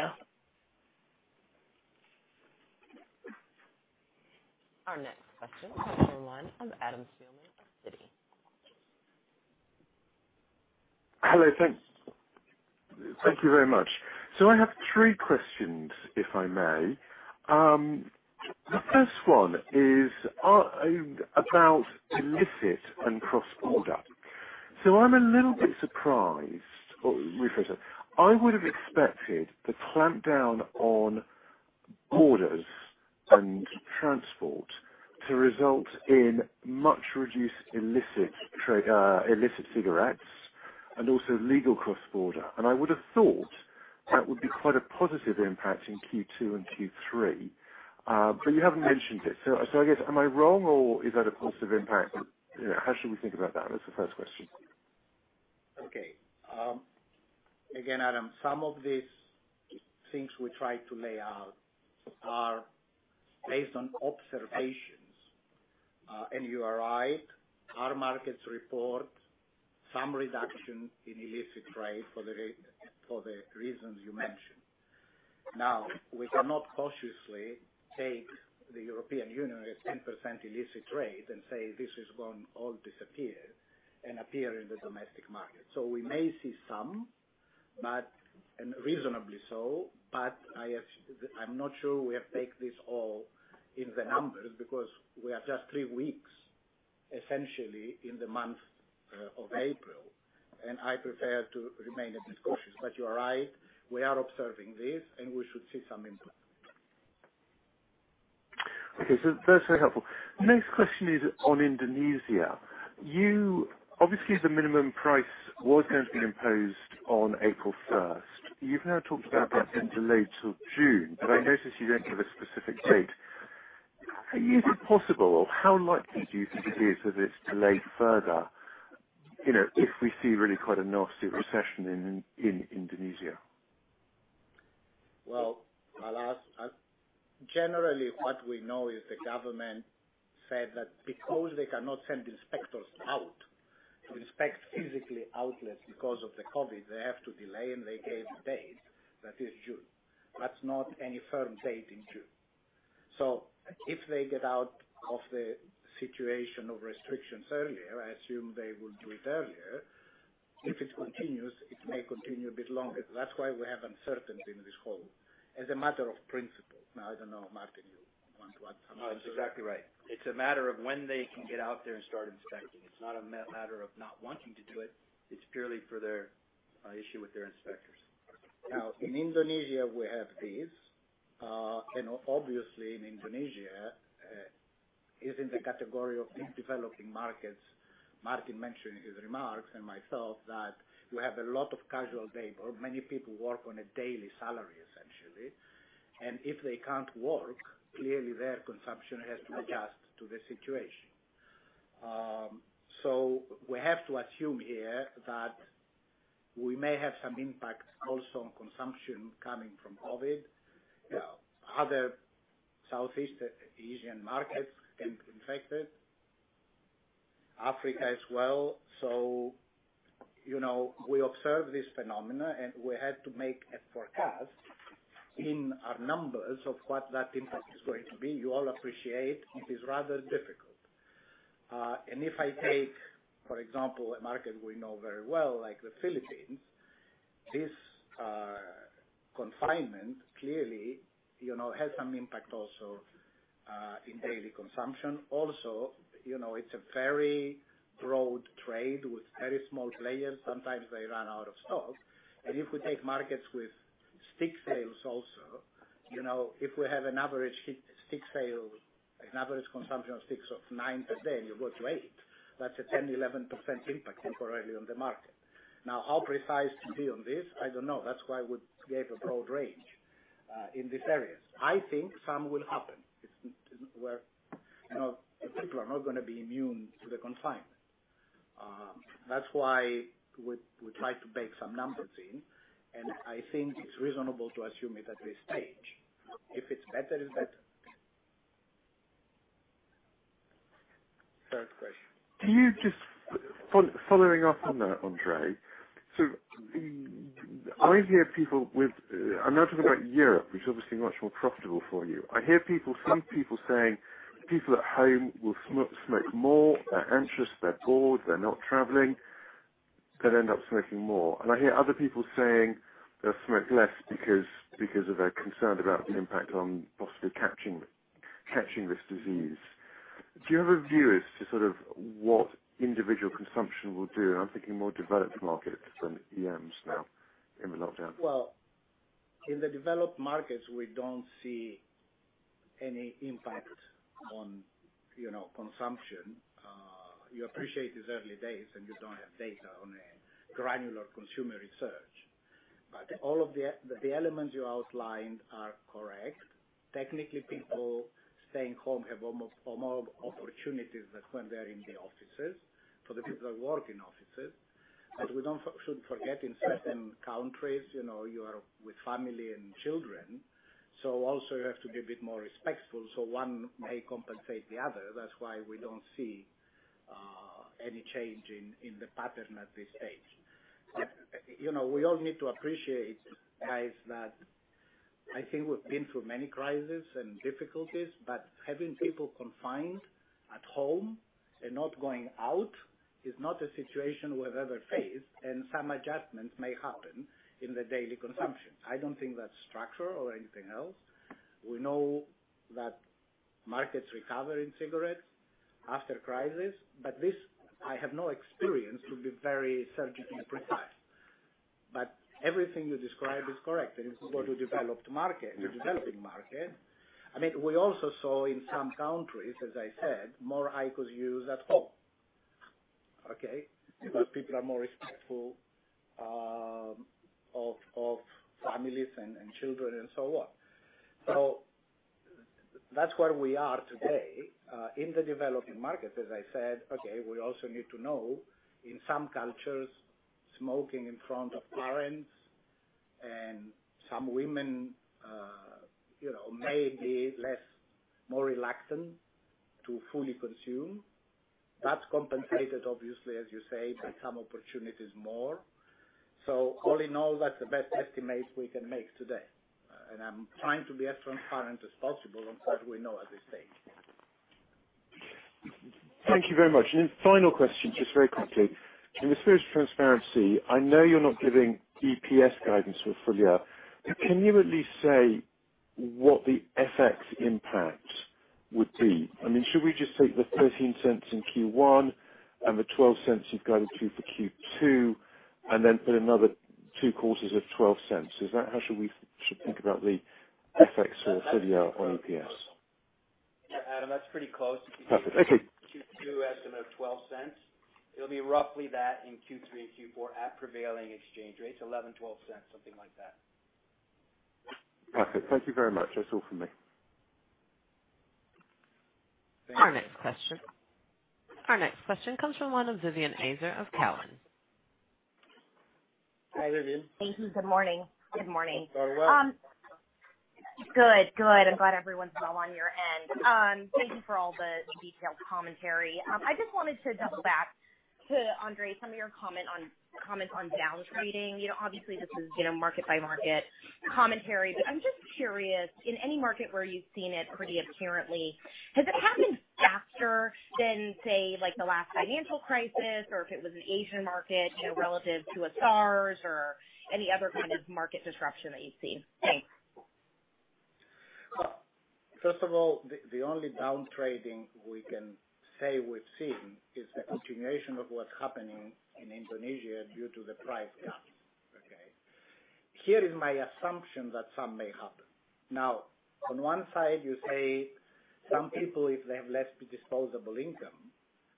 Our next question comes from the line of Adam Spielman of Citi. Hello. Thanks. Thank you very much. I have three questions, if I may. The first one is about illicit and cross-border. I'm a little bit surprised. I would've expected the clampdown on borders and transport to result in much reduced illicit cigarettes and also legal cross-border. I would've thought that would be quite a positive impact in Q2 and Q3. You haven't mentioned it, I guess, am I wrong or is that a positive impact? How should we think about that? That's the first question. Okay. Again, Adam, some of these things we try to lay out are based on observations. You are right, our markets report some reduction in illicit trade for the reasons you mentioned. Now, we cannot cautiously take the European Union as 10% illicit trade and say this is going all disappear and appear in the domestic market. We may see some, and reasonably so, but I'm not sure we have take this all in the numbers because we are just three weeks, essentially, in the month of April. I prefer to remain a bit cautious. You are right. We are observing this, and we should see some impact. Okay. That's very helpful. Next question is on Indonesia. Obviously, the minimum price was going to be imposed on April 1st. You've now talked about perhaps a delay till June, but I notice you don't give a specific date. Is it possible, or how likely do you think it is for this to delay further, if we see really quite a nasty recession in Indonesia? Well, Adam, generally what we know is the government said that because they cannot send inspectors out to inspect physically outlets because of the COVID, they have to delay, and they gave a date that is June. That's not any firm date in June. If they get out of the situation of restrictions earlier, I assume they would do it earlier. If it continues, it may continue a bit longer. That's why we have uncertainty in this whole As a matter of principle. I don't know, Martin, you want to add something? That's exactly right. It's a matter of when they can get out there and start inspecting. It's not a matter of not wanting to do it. It's purely for their issue with their inspectors. Now, in Indonesia, we have this. Obviously in Indonesia, is in the category of these developing markets. Martin mentioned in his remarks, and myself, that you have a lot of casual labor. Many people work on a daily salary, essentially. If they can't work, clearly their consumption has to adjust to the situation. We have to assume here that we may have some impact also on consumption coming from COVID-19. Other Southeast Asian markets can be infected. Africa as well. We observe this phenomena, and we had to make a forecast in our numbers of what that impact is going to be. You all appreciate it is rather difficult. If I take, for example, a market we know very well, like the Philippines, this confinement clearly has some impact also in daily consumption. Also, it's a very broad trade with very small players. Sometimes they run out of stock. If we take markets with stick sales also, if we have an average stick sale, an average consumption of sticks of nine per day, you go to eight, that's a 10%-11% impact temporarily on the market. Now, how precise to be on this? I don't know. That's why we gave a broad range in these areas. I think some will happen. People are not gonna be immune to the confinement. That's why we try to bake some numbers in, and I think it's reasonable to assume it at this stage. If it's better, it's better. Third question. Following up on that, André, I hear I'm now talking about Europe, which is obviously much more profitable for you. I hear some people saying people at home will smoke more. They're anxious, they're bored, they're not traveling. They'll end up smoking more. I hear other people saying they'll smoke less because of their concern about the impact on possibly catching this disease. Do you have a view as to sort of what individual consumption will do? I'm thinking more developed markets than EMs now in the lockdown. Well, in the developed markets, we don't see any impact on consumption. You appreciate it's early days, and you don't have data on a granular consumer research. All of the elements you outlined are correct. Technically, people staying home have more opportunities than when they're in the offices, for the people that work in offices. We shouldn't forget in certain countries, you are with family and children, so also you have to be a bit more respectful, so one may compensate the other. That's why we don't see any change in the pattern at this stage. We all need to appreciate, guys, that I think we've been through many crises and difficulties, but having people confined at home and not going out is not a situation we've ever faced, and some adjustments may happen in the daily consumption. I don't think that's structural or anything else. We know that markets recover in cigarettes after crisis. This, I have no experience, to be very surgically precise. Everything you described is correct. We also saw in some countries, as I said, more IQOS used at home. Okay. Because people are more respectful of families and children and so on. That's where we are today. In the developing markets, as I said, okay, we also need to know, in some cultures, smoking in front of parents and some women may be more reluctant to fully consume. That's compensated, obviously, as you say, by some opportunities more. All in all, that's the best estimate we can make today. I'm trying to be as transparent as possible on what we know at this stage. Thank you very much. Final question, just very quickly. In the spirit of transparency, I know you're not giving EPS guidance for full-year, but can you at least say what the FX impact would be? Should we just take the $0.13 in Q1 and the $0.12 you've guided to for Q2, and then put another two quarters of $0.12? Is that how should we think about the FX for full-year on EPS? Yeah, Adam, that's pretty close. Perfect. Thank you. Q2 estimate of $0.12. It'll be roughly that in Q3 and Q4 at prevailing exchange rates, $0.11, $0.12, something like that. Perfect. Thank you very much. That's all from me. Our next question comes from line of Vivien Azer of Cowen. Hi, Vivien. Thank you. Good morning. Very well. Good. I'm glad everyone's well on your end. Thank you for all the detailed commentary. I just wanted to double back to, André, some of your comment on down-trading. Obviously, this is market-by-market commentary, I'm just curious, in any market where you've seen it pretty apparently, has it happened faster than, say, like the last financial crisis, or if it was an Asian market relative to a SARS or any other kind of market disruption that you've seen? Thanks. First of all, the only down-trading we can say we've seen is a continuation of what's happening in Indonesia due to the price gaps. Okay. Here is my assumption that some may happen. On one side, you say some people, if they have less disposable income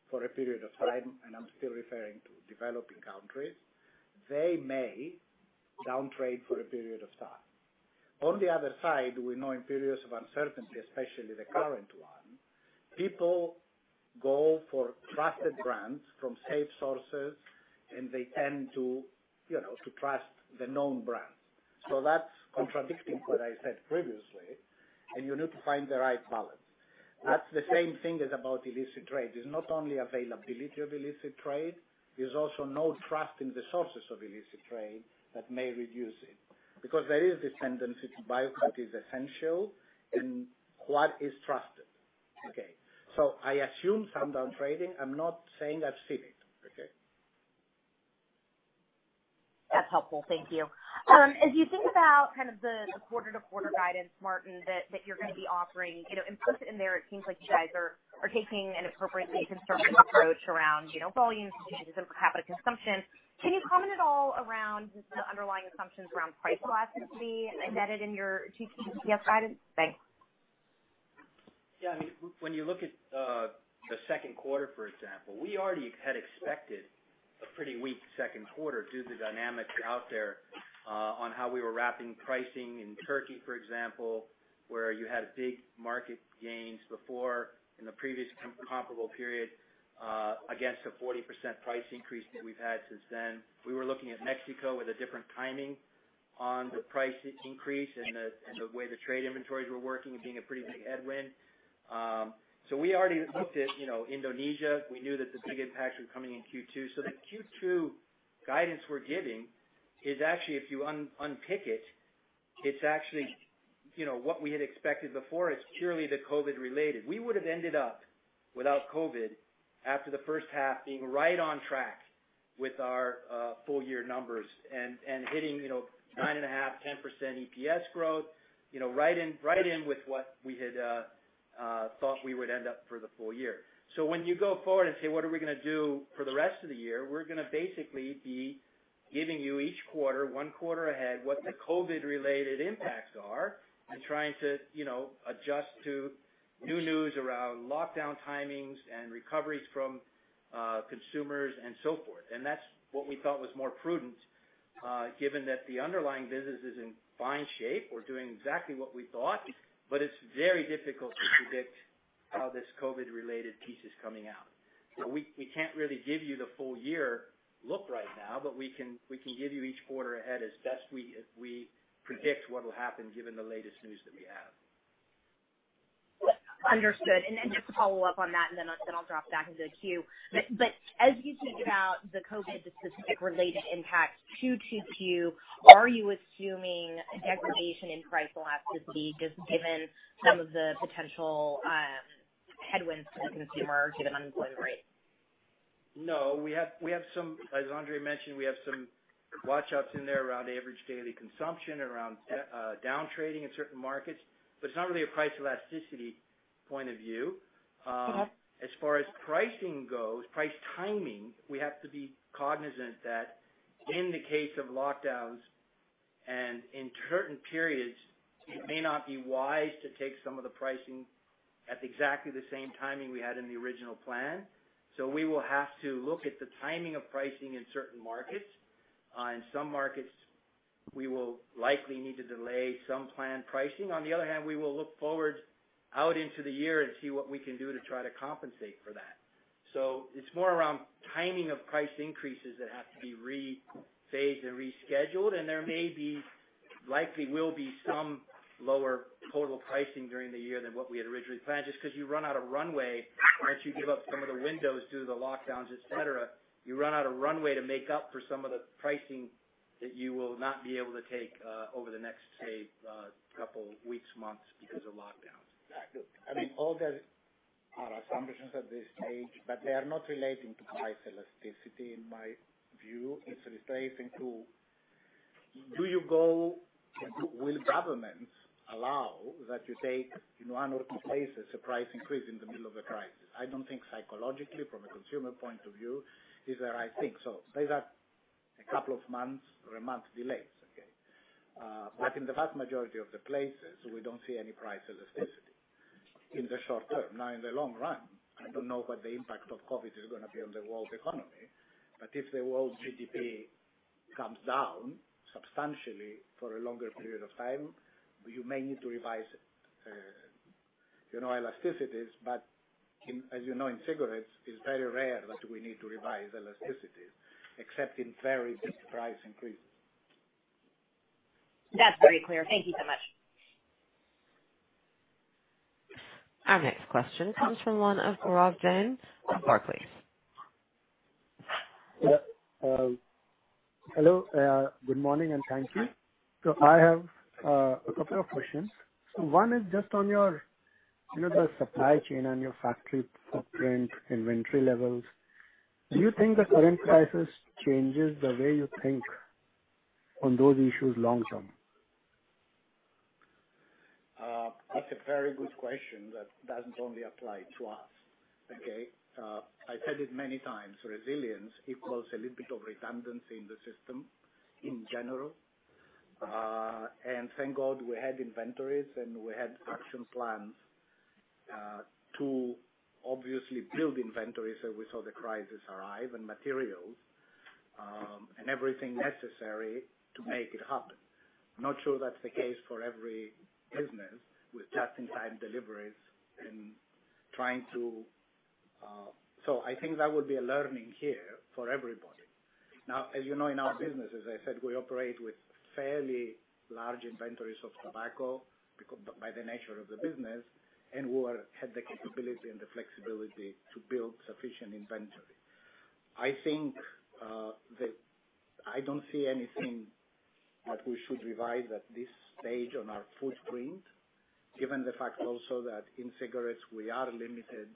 for a period of time, and I'm still referring to developing countries, they may down-trade for a period of time. On the other side, we know in periods of uncertainty, especially the current one, people go for trusted brands from safe sources, and they tend to trust the known brands. That's contradicting what I said previously, and you need to find the right balance. That's the same thing as about illicit trade. There's not only availability of illicit trade, there's also no trust in the sources of illicit trade that may reduce it. There is this tendency to buy what is essential and what is trusted. Okay. I assume some down-trading. I'm not saying I've seen it. Okay. That's helpful. Thank you. As you think about the quarter-to-quarter guidance, Martin, that you're gonna be offering, implicit in there, it seems like you guys are taking an appropriately conservative approach around volumes due to the impact on consumption. Can you comment at all around the underlying assumptions around price elasticity embedded in your Q2 EPS guidance? Thanks. Yeah. When you look at the second quarter, for example, we already had expected a pretty weak second quarter due to the dynamics out there on how we were wrapping pricing in Turkey, for example, where you had big market gains before in the previous comparable period, against a 40% price increase that we've had since then. We were looking at Mexico with a different timing on the price increase and the way the trade inventories were working being a pretty big headwind. We already looked at Indonesia. We knew that the big impacts were coming in Q2. The Q2 guidance we're giving is actually, if you unpick it's actually what we had expected before. It's purely the COVID related. We would have ended up, without COVID, after the first half, being right on track with our full year numbers and hitting 9.5%, 10% EPS growth, right in with what we had thought we would end up for the full year. When you go forward and say, "What are we going to do for the rest of the year?" We're going to basically be giving you each quarter, one quarter ahead, what the COVID-related impacts are and trying to adjust to new news around lockdown timings and recoveries from consumers and so forth. That's what we thought was more prudent given that the underlying business is in fine shape. We're doing exactly what we thought, it's very difficult to predict how this COVID-related piece is coming out. We can't really give you the full year look right now, but we can give you each quarter ahead as best we predict what will happen given the latest news that we have. Understood. Just to follow up on that, then I'll drop back into the queue. As you think about the COVID-specific related impact to 2022, are you assuming a degradation in price elasticity just given some of the potential headwinds to the consumer, to the unemployment rate? No. As André mentioned, we have some watch-outs in there around average daily consumption, around down trading in certain markets, but it's not really a price elasticity point of view. As far as pricing goes, price timing, we have to be cognizant that in the case of lockdowns and in certain periods, it may not be wise to take some of the pricing at exactly the same timing we had in the original plan. We will have to look at the timing of pricing in certain markets. In some markets, we will likely need to delay some planned pricing. On the other hand, we will look forward out into the year and see what we can do to try to compensate for that. It's more around timing of price increases that have to be rephased and rescheduled, and there may be, likely will be some lower total pricing during the year than what we had originally planned, just because you run out of runway. Once you give up some of the windows due to the lockdowns, et cetera, you run out of runway to make up for some of the pricing that you will not be able to take over the next, say, couple weeks, months because of lockdowns. Exactly. I mean, all these are assumptions at this stage, but they are not relating to price elasticity in my view. It's relating to will governments allow that you take, in one or two places, a price increase in the middle of a crisis? I don't think psychologically, from a consumer point of view, is there, I think. Say that a couple of months or a month delays, okay? In the vast majority of the places, we don't see any price elasticity in the short term. In the long run, I don't know what the impact of COVID is gonna be on the world economy. If the world GDP comes down substantially for a longer period of time, you may need to revise elasticities. As you know, in cigarettes, it's very rare that we need to revise elasticities except in very big price increases. That's very clear. Thank you so much. Our next question comes from the line of Gaurav Jain from Barclays. Hello. Good morning, and thank you. I have a couple of questions. One is just on your supply chain and your factory footprint, inventory levels. Do you think the current crisis changes the way you think on those issues long term? That's a very good question that doesn't only apply to us, okay? I said it many times, resilience equals a little bit of redundancy in the system in general. Thank God we had inventories and we had action plans, to obviously build inventories as we saw the crisis arrive, and materials, and everything necessary to make it happen. Not sure that's the case for every business with just-in-time deliveries. I think that would be a learning here for everybody. As you know, in our business, as I said, we operate with fairly large inventories of tobacco by the nature of the business, and we had the capability and the flexibility to build sufficient inventory. I don't see anything that we should revise at this stage on our footprint, given the fact also that in cigarettes, we are limited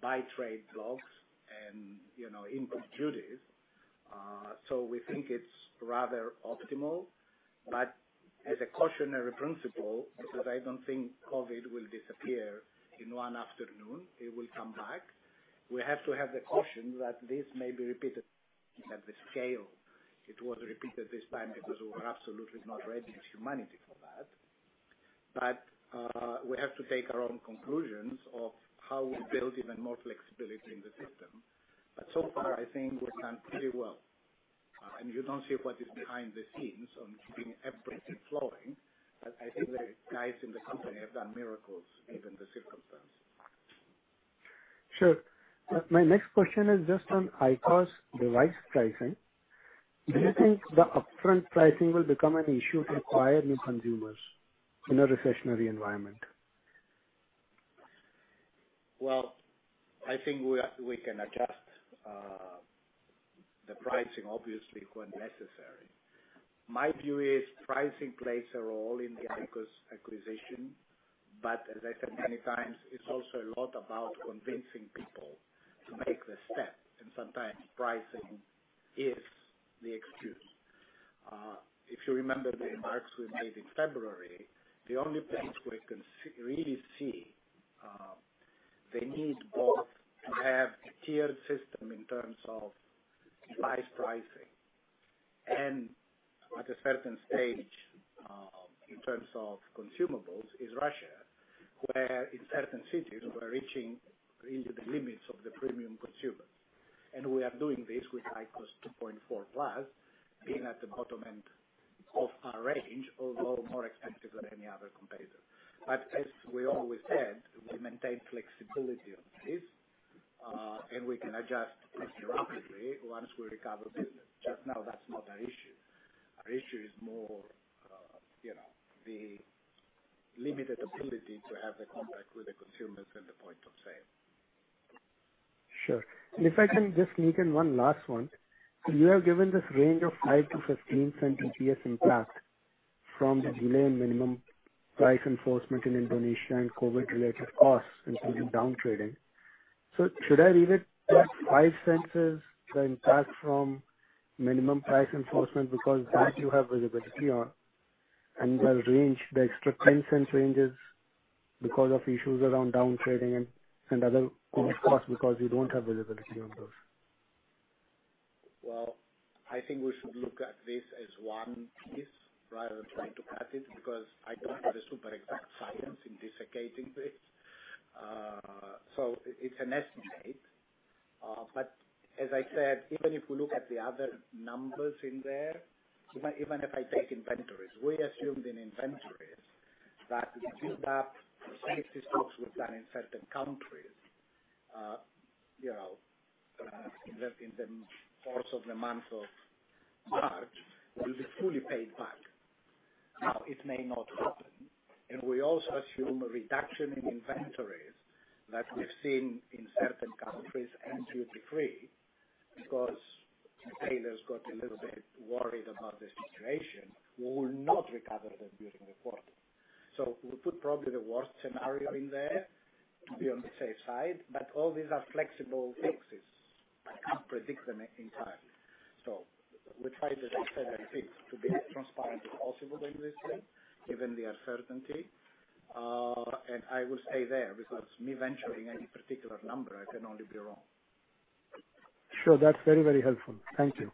by trade blocks and import duties. We think it's rather optimal. As a cautionary principle, because I don't think COVID will disappear in one afternoon, it will come back. We have to have the caution that this may be repeated at the scale it was repeated this time, because we were absolutely not ready as humanity for that. We have to take our own conclusions of how we build even more flexibility in the system. So far, I think we've done pretty well. You don't see what is behind the scenes on keeping everything flowing. I think the guys in the company have done miracles given the circumstance. Sure. My next question is just on IQOS device pricing. Do you think the upfront pricing will become an issue to acquire new consumers in a recessionary environment? Well, I think we can adjust the pricing, obviously, when necessary. My view is pricing plays a role in the IQOS acquisition. As I said many times, it's also a lot about convincing people to make the step, and sometimes pricing is the excuse. If you remember the remarks we made in February, the only place we can really see the need both to have a tiered system in terms of device pricing and at a certain stage in terms of consumables is Russia, where in certain cities we're reaching into the limits of the premium consumer. We are doing this with IQOS 2.4 Plus, being at the bottom end of our range, although more expensive than any other competitor. As we always said, we maintain flexibility on this, and we can adjust pretty rapidly once we recover business. Just now, that's not our issue. Our issue is more the limited ability to have the contact with the consumers and the point of sale. Sure. If I can just sneak in one last one. You have given this range of $0.05-$0.15 EPS impact from the delayed minimum price enforcement in Indonesia and COVID-19-related costs and even down-trading. Should I read it that $0.05 is the impact from minimum price enforcement because that you have visibility on? The range, the extra $0.10 ranges, because of issues around down-trading and other COVID-19 costs, because you don't have visibility on those? Well, I think we should look at this as one piece rather than trying to cut it, because I don't have a super exact science in disaggregating this. It's an estimate. As I said, even if you look at the other numbers in there, even if I take inventories, we assumed in inventories that the build-up safety stocks we've done in certain countries, perhaps in the course of the month of March, will be fully paid back. Now, it may not happen, and we also assume a reduction in inventories that we've seen in certain countries uncertain. Retailers got a little bit worried about the situation, we will not recover them during the quarter. We put probably the worst scenario in there to be on the safe side. All these are flexible fixes. I can't predict them entirely. We tried to just say that it's to be as transparent as possible doing this thing, given the uncertainty. I will stay there because me venturing any particular number, I can only be wrong. Sure. That's very, very helpful. Thank you.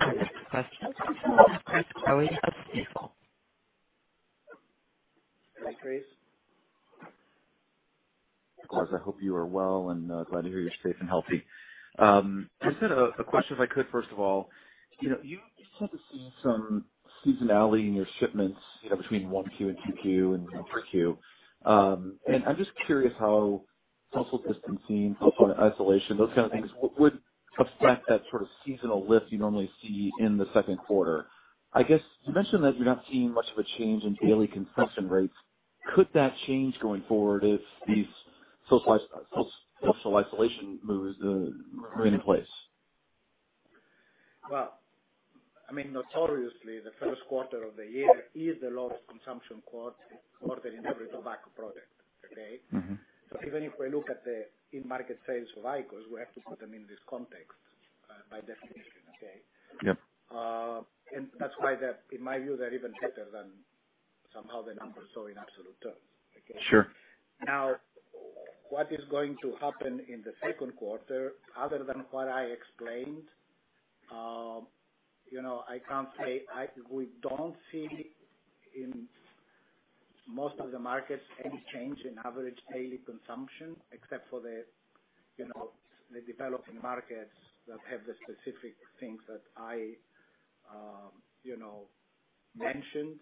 Next question. Chris Growe. Hi, Chris. André, I hope you are well, and glad to hear you're safe and healthy. Just had a question, if I could, first of all. You started to see some seasonality in your shipments between 1Q and 2Q and 3Q. I'm just curious how social distancing, social isolation, those kind of things, would affect that sort of seasonal lift you normally see in the second quarter. I guess you mentioned that you're not seeing much of a change in daily consumption rates. Could that change going forward if these social isolation moves remain in place? Well, notoriously, the first quarter of the year is the lowest consumption quarter in every tobacco product. Okay? Even if we look at the in-market sales of IQOS, we have to put them in this context by definition, okay? Yep. That's why that, in my view, they're even better than somehow the numbers show in absolute terms. Okay? Sure. Now, what is going to happen in the second quarter, other than what I explained? I can't say. We don't see in most of the markets any change in average daily consumption, except for the developing markets that have the specific things that I mentioned.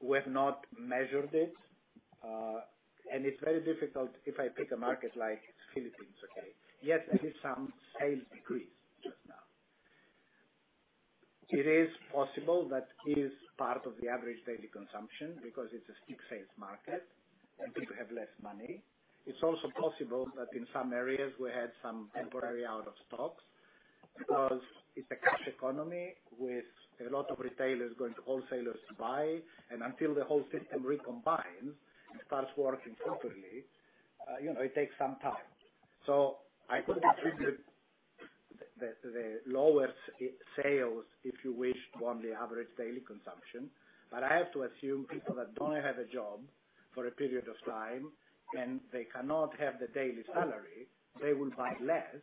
We have not measured it. It's very difficult if I pick a market like Philippines, okay. Yes, there is some sales decrease just now. It is possible that is part of the average daily consumption because it's a stick sales market and people have less money. It's also possible that in some areas we had some temporary out of stocks because it's a cash economy with a lot of retailers going to wholesalers to buy. Until the whole system recombines and starts working properly, it takes some time. I could attribute the lower sales, if you wish, to only average daily consumption. I have to assume people that don't have a job for a period of time, and they cannot have the daily salary, they will buy less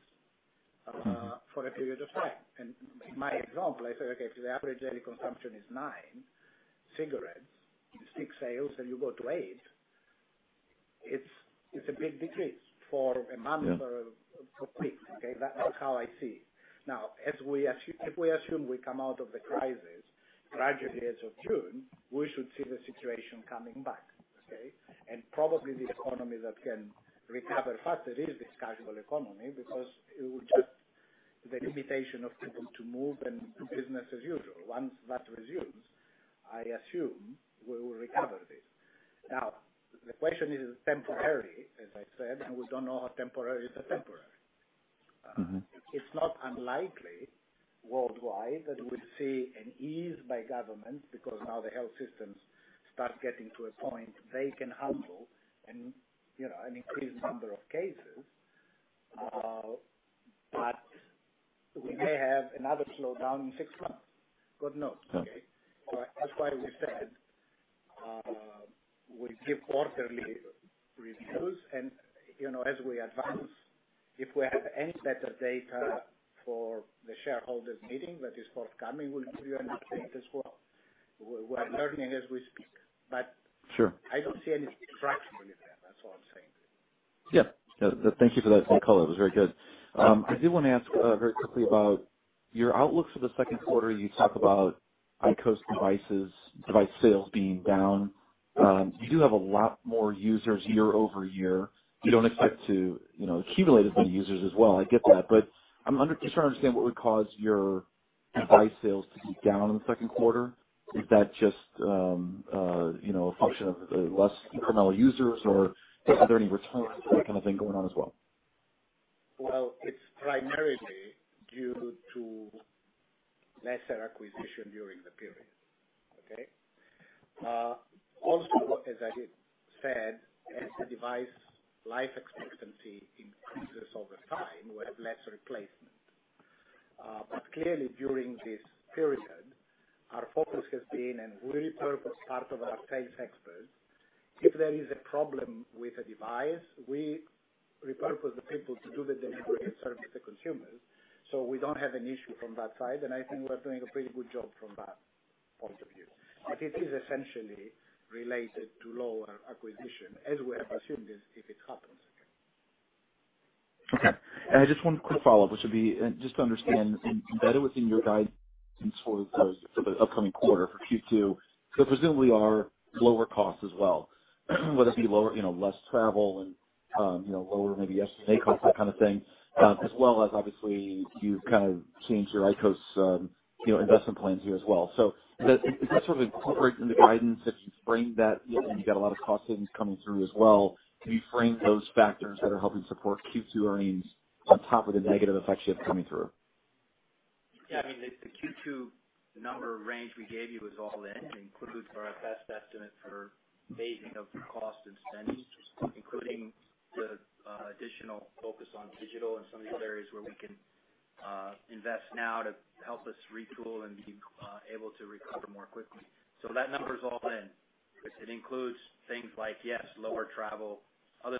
for a period of time. My example, I say, okay, if the average daily consumption is nine cigarettes, stick sales, and you go to eight, it's a big decrease for a month or for weeks. Okay. That's how I see. If we assume we come out of the crisis gradually as of June, we should see the situation coming back. Okay. Probably the economy that can recover faster is the cashable economy because it would just The limitation of people to move and do business as usual. Once that resumes, I assume we will recover this. The question is it temporary? As I said, and we don't know how temporary is the temporary. It's not unlikely worldwide that we'll see an ease by governments because now the health systems start getting to a point they can handle an increased number of cases. We may have another slowdown in six months. God knows, okay? Okay. That's why we said, we give quarterly reviews. As we advance, if we have any set of data for the shareholders' meeting that is forthcoming, we'll give you an update as well. We're learning as we speak. Sure I don't see any fraction with that's all I'm saying. Yeah. Thank you for that insight, André. It was very good. I do want to ask very quickly about your outlook for the second quarter. You talk about IQOS devices, device sales being down. You do have a lot more users year-over-year. You don't expect to accumulate a billion users as well, I get that, but I'm just trying to understand what would cause your device sales to be down in the second quarter. Is that just a function of less incremental users, or are there any returns or that kind of thing going on as well? Well, it's primarily due to lesser acquisition during the period. Okay? As I said, as the device life expectancy increases over time, we'll have lesser replacement. Clearly, during this period, our focus has been, and we repurposed part of our sales experts. If there is a problem with a device, we repurpose the people to do the delivery and service the consumers. We don't have an issue from that side, and I think we're doing a pretty good job from that point of view. It is essentially related to lower acquisition, as we have assumed this, if it happens. Okay. I just one quick follow-up, which would be just to understand, embedded within your guidance for the upcoming quarter, for Q2, presumably are lower costs as well, whether it be less travel and lower maybe SG&A costs, that kind of thing, as well as obviously, you've changed your IQOS investment plans here as well. Is that sort of incorporated in the guidance as you frame that, and you've got a lot of cost savings coming through as well? Can you frame those factors that are helping support Q2 earnings on top of the negative effects you have coming through? Yeah. The Q2 number range we gave you is all in, includes our best estimate for phasing of cost and spending, including the additional focus on digital and some of the other areas where we can invest now to help us retool and be able to recover more quickly. That number's all in. It includes things like, yes, lower travel, other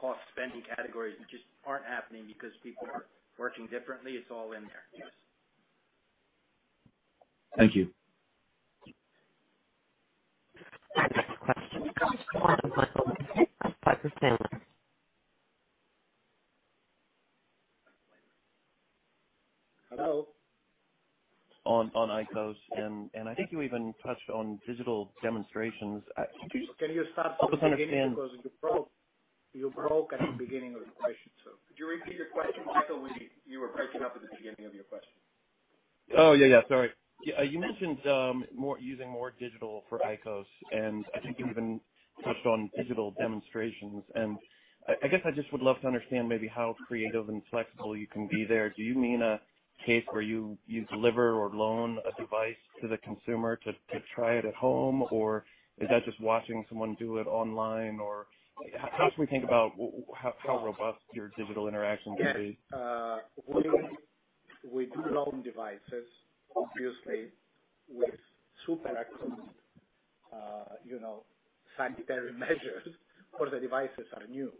cost-spending categories which just aren't happening because people are working differently. It's all in there. Yes. Thank you. Our next question comes from the line of Michael Lavery from Piper Sandler. Hello? On IQOS, and I think you even touched on digital demonstrations. Can you start from the beginning because you broke at the beginning of the question. Could you repeat your question, Michael? You were breaking up at the beginning of your question. Oh, yeah. Sorry. You mentioned, using more digital for IQOS, and I think you even touched on digital demonstrations, and I guess I just would love to understand maybe how creative and flexible you can be there? Do you mean a case where you deliver or loan a device to the consumer to try it at home, or is that just watching someone do it online, or how should we think about how robust your digital interaction can be? Yes. We do loan devices, obviously with super-extreme sanitary measures for the devices are new.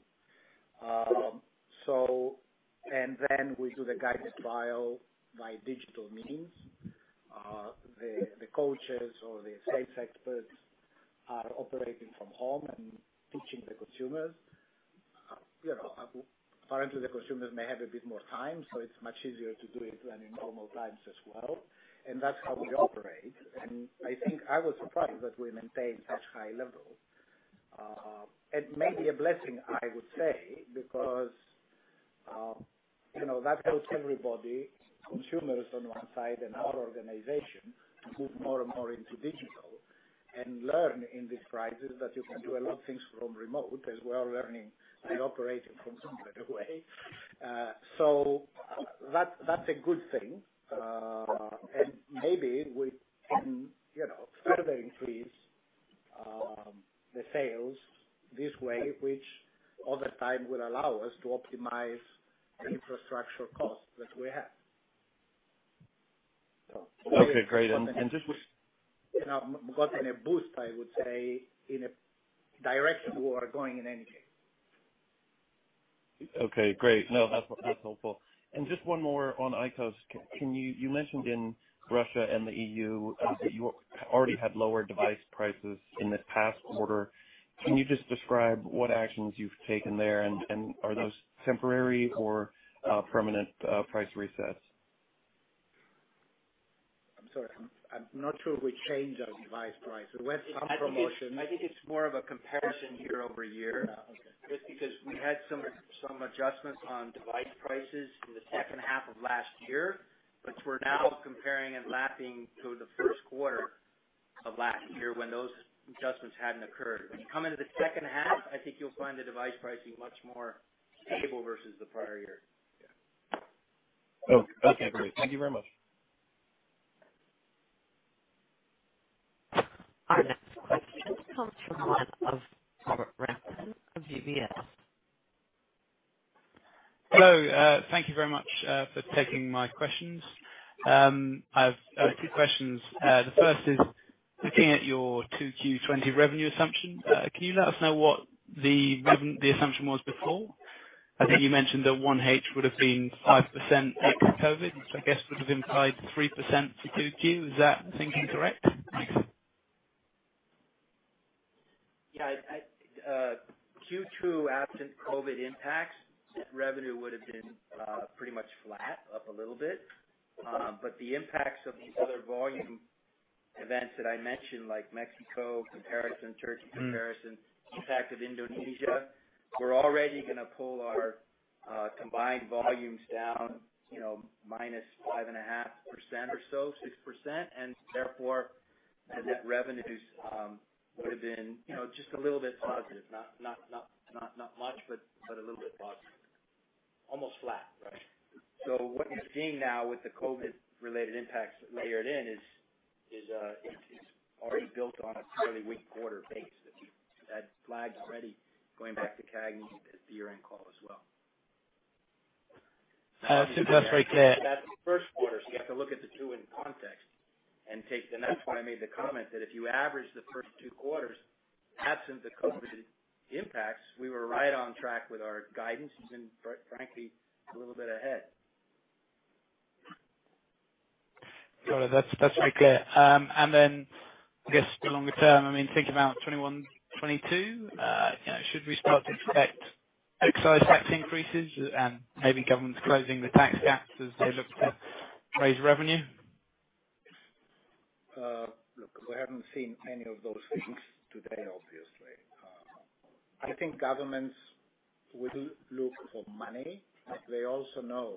Then we do the guided trial by digital means. The coaches or the sales experts are operating from home and teaching the consumers. Currently, the consumers may have a bit more time, so it's much easier to do it than in normal times as well. That's how we operate. I think I was surprised that we maintained such high levels. It may be a blessing, I would say, because that helps everybody, consumers on one side, and our organization to move more and more into digital and learn in this crisis that you can do a lot of things from remote, as we are learning and operating from some better way. That's a good thing. Maybe we can further increase the sales this way, which over time will allow us to optimize the infrastructure costs that we have. Okay, great. We have gotten a boost, I would say, in a direction we were going in any case. Okay, great. No, that's helpful. Just one more on IQOS. You mentioned in Russia and the EU that you already had lower device prices in this past quarter. Can you just describe what actions you've taken there, and are those temporary or permanent price resets? I'm sorry. I'm not sure we changed our device price. We had some promotion. I think it's more of a comparison year-over-year. Yeah. Okay. Because we had some adjustments on device prices in the second half of last year, which we're now comparing and lapping to the first quarter of last year when those adjustments hadn't occurred. When you come into the second half, I think you'll find the device pricing much more stable versus the prior year. Yeah. Oh, okay. Great. Thank you very much. Our next question comes from the line of Robert Rampton of UBS. Hello. Thank you very much for taking my questions. I have two questions. The first is looking at your 2Q20 revenue assumption. Can you let us know what the assumption was before? I think you mentioned that 1H would have been 5% ex-COVID-19, which I guess would have implied 3% for 2Q. Is that thinking correct? Thanks. Yeah. Q2 absent COVID impacts, revenue would have been pretty much flat, up a little bit. The impacts of these other volume events that I mentioned, like Mexico comparison, Turkey comparison, impact of Indonesia, were already going to pull our combined volumes down minus 5.5% or so, 6%, and therefore the net revenues would have been just a little bit positive. Not much, but a little bit positive. Almost flat, right? What you're seeing now with the COVID-related impacts layered in is, it is already built on a fairly weak quarter base that flagged already going back to CAGNY in the year-end call as well. Just very clear. That's the first quarter, so you have to look at the two in context. That's why I made the comment that if you average the first two quarters, absent the COVID impacts, we were right on track with our guidance, and frankly, a little bit ahead. Got it. That's very clear. Then, I guess longer term, thinking about 2021, 2022, should we start to expect excise tax increases and maybe governments closing the tax gaps as they look to raise revenue? Look, we haven't seen any of those things today, obviously. I think governments will look for money, but they also know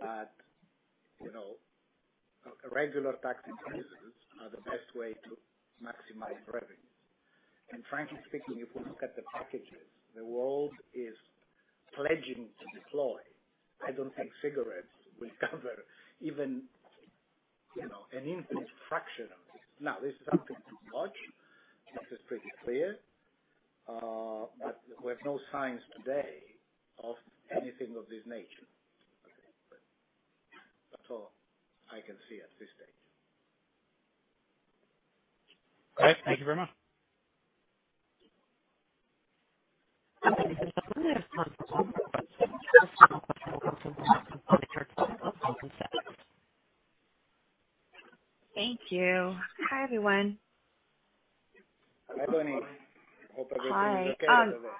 that regular tax increases are the best way to maximize revenue. Frankly speaking, if we look at the packages the world is pledging to deploy, I don't think cigarettes will cover even an infinitesimal fraction of this. Now, this is nothing too much. This is pretty clear. We have no signs today of anything of this nature. Okay. That's all I can see at this stage. Okay. Thank you very much. Operator, the next question comes from Bonnie Herzog of Goldman Sachs. Thank you. Hi, everyone. Hi, Bonnie. Hope everything's okay over there.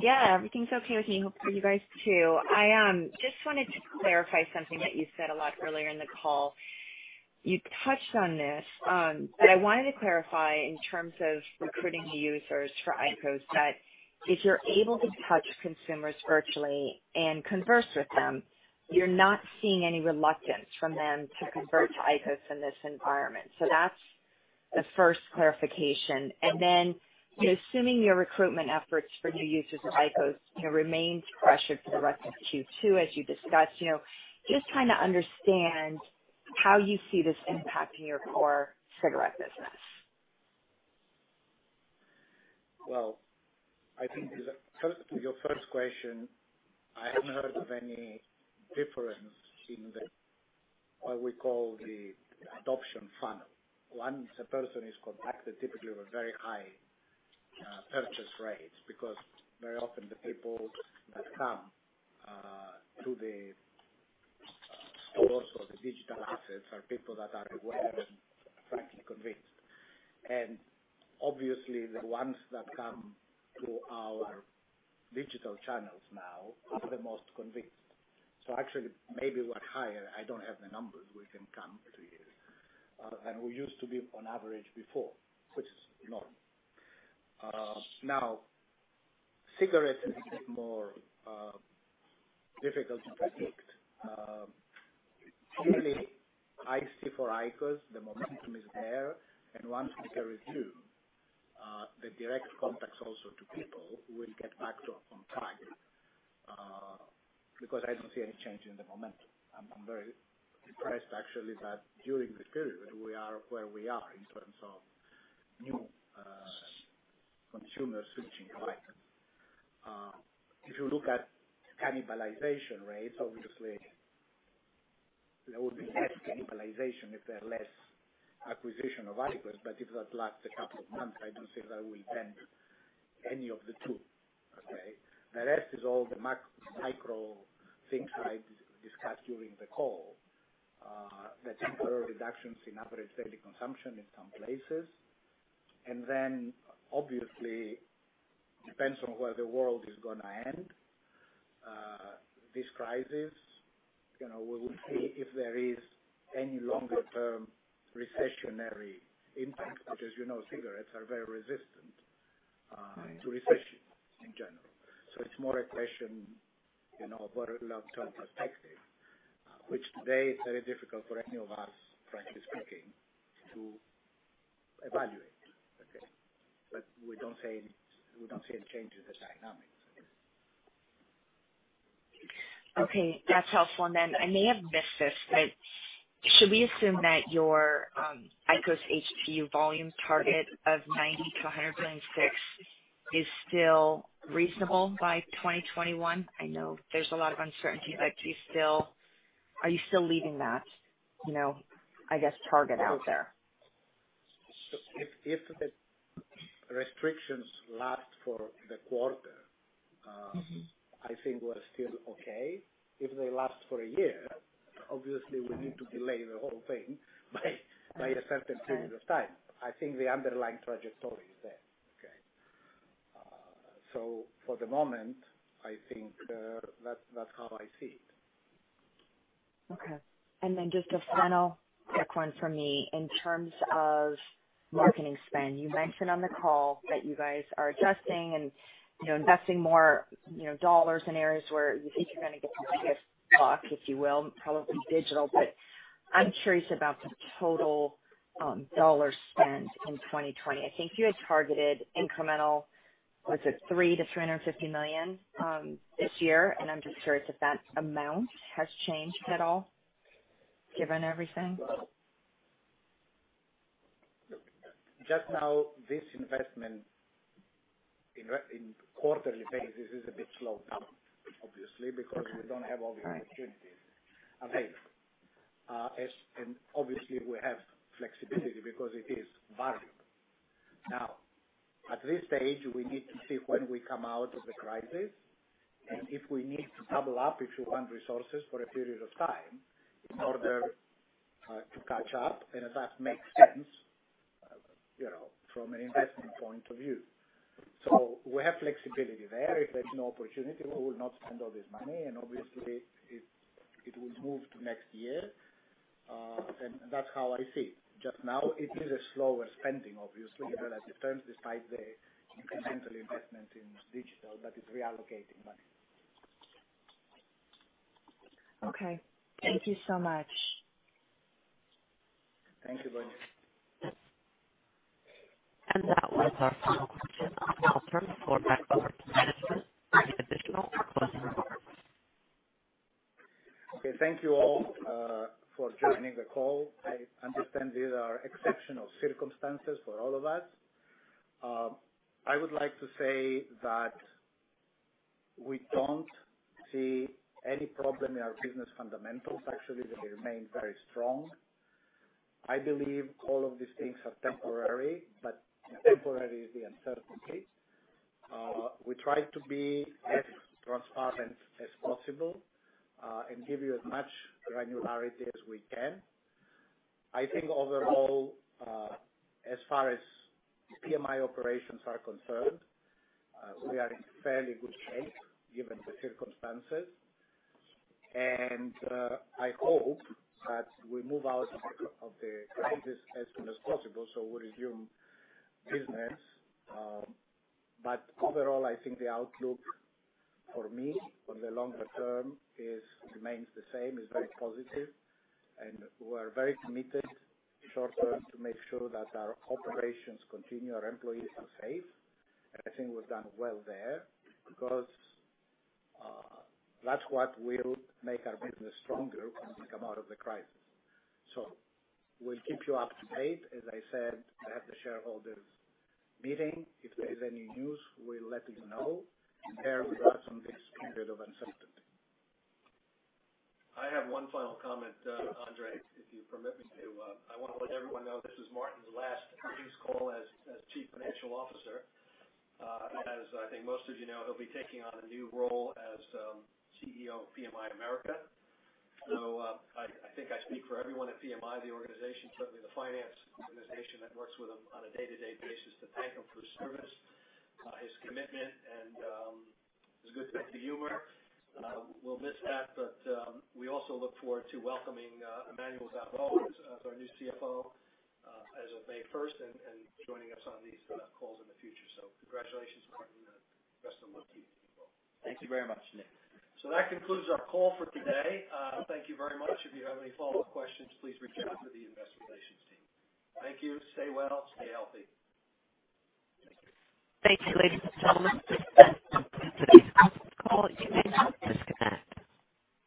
Yeah, everything's okay with me. Hope for you guys, too. I just wanted to clarify something that you said a lot earlier in the call. You touched on this, but I wanted to clarify in terms of recruiting new users for IQOS, that if you're able to touch consumers virtually and converse with them, you're not seeing any reluctance from them to convert to IQOS in this environment. That's the first clarification. Assuming your recruitment efforts for new users of IQOS remains pressured for the rest of Q2, as you discussed, just trying to understand how you see this impacting your core cigarette business. Well, I think to your first question, I haven't heard of any difference in the, what we call the adoption funnel. Once a person is contacted, typically with very high purchase rates, because very often the people that come to the stores or the digital assets are people that are aware and frankly convinced. Obviously, the ones that come to our digital channels now are the most convinced. Actually, maybe we're higher. I don't have the numbers we can come to you than we used to be on average before, which is normal. Now, cigarettes is a bit more difficult to predict. Generally, I see for IQOS, the momentum is there, and once we carry through, the direct contacts also to people will get back to on target, because I don't see any change in the momentum. I'm very impressed, actually, that during this period, we are where we are in terms of new consumers switching to IQOS. If you look at cannibalization rates, obviously, there would be less cannibalization if there are less acquisition of IQOS. If that lasts a couple of months, I don't think that will dent any of the two. Okay. The rest is all the macro/micro things I discussed during the call. The temporary reductions in average daily consumption in some places, and then obviously, depends on where the world is going to end this crisis. We will see if there is any longer-term recessionary impact, because as you know, cigarettes are very resistant to recessions in general. It's more a question of what are long-term perspectives, which today is very difficult for any of us, frankly speaking, to evaluate. Okay. We don't see any change in the dynamics, I guess. Okay, that's helpful. Then I may have missed this, but should we assume that your IQOS HTU volume target of 90-106 is still reasonable by 2021? I know there's a lot of uncertainty, but are you still leaving that target out there? If the restrictions last for the quarter. I think we're still okay. If they last for a year, obviously, we need to delay the whole thing by a certain period of time. I think the underlying trajectory is there. Okay. For the moment, I think that's how I see it. Okay. Then just a final quick one from me. In terms of marketing spend, you mentioned on the call that you guys are adjusting and investing more dollars in areas where you think you're going to get the biggest buck, if you will, probably digital. I'm curious about the total dollar spend in 2020. I think you had targeted incremental, was it $300 million-$350 million this year? I'm just curious if that amount has changed at all given everything. Just now, this investment in quarterly basis is a bit slowed down, obviously, because we don't have all the opportunities available. Obviously, we have flexibility because it is variable. At this stage, we need to see when we come out of the crisis and if we need to double up a few hundred resources for a period of time in order to catch up and if that makes sense from an investment point of view. We have flexibility there. If there's no opportunity, we will not spend all this money, and obviously it will move to next year. That's how I see it. Just now, it is a slower spending, obviously, because as you said, despite the incremental investment in digital that is reallocating money. Okay. Thank you so much. Thank you, Bonnie. That was our final question on the phone for back-to-back managers. Any additional closing remarks? Okay. Thank you all for joining the call. I understand these are exceptional circumstances for all of us. I would like to say that we don't see any problem in our business fundamentals. Actually, they remain very strong. I believe all of these things are temporary, but temporary is the uncertainty. We try to be as transparent as possible, and give you as much granularity as we can. I think overall, as far as PMI operations are concerned, we are in fairly good shape given the circumstances. I hope that we move out of the crisis as soon as possible, so we resume business. Overall, I think the outlook for me for the longer term remains the same, is very positive, and we're very committed short-term to make sure that our operations continue, our employees are safe, and I think we've done well there because that's what will make our business stronger when we come out of the crisis. We'll keep you up to date. As I said, I have the shareholders meeting. If there is any news, we'll let you know. Bear with us on this period of uncertainty. I have one final comment, André, if you permit me to. I want to let everyone know this is Martin's last earnings call as Chief Financial Officer. As I think most of you know, he'll be taking on a new role as CEO of PMI Americas. I think I speak for everyone at PMI, the organization, certainly the finance organization that works with him on a day-to-day basis, to thank him for his service, his commitment, and his good sense of humor. We'll miss that, but we also look forward to welcoming Emmanuel Babeau as our new CFO as of May 1st, and joining us on these calls in the future. Congratulations, Martin, and best of luck to you. Thank you very much, Nick. That concludes our call for today. Thank you very much. If you have any follow-up questions, please reach out to the investor relations team. Thank you. Stay well, stay healthy. Thank you, ladies and gentlemen. This does conclude today's call. You may now disconnect.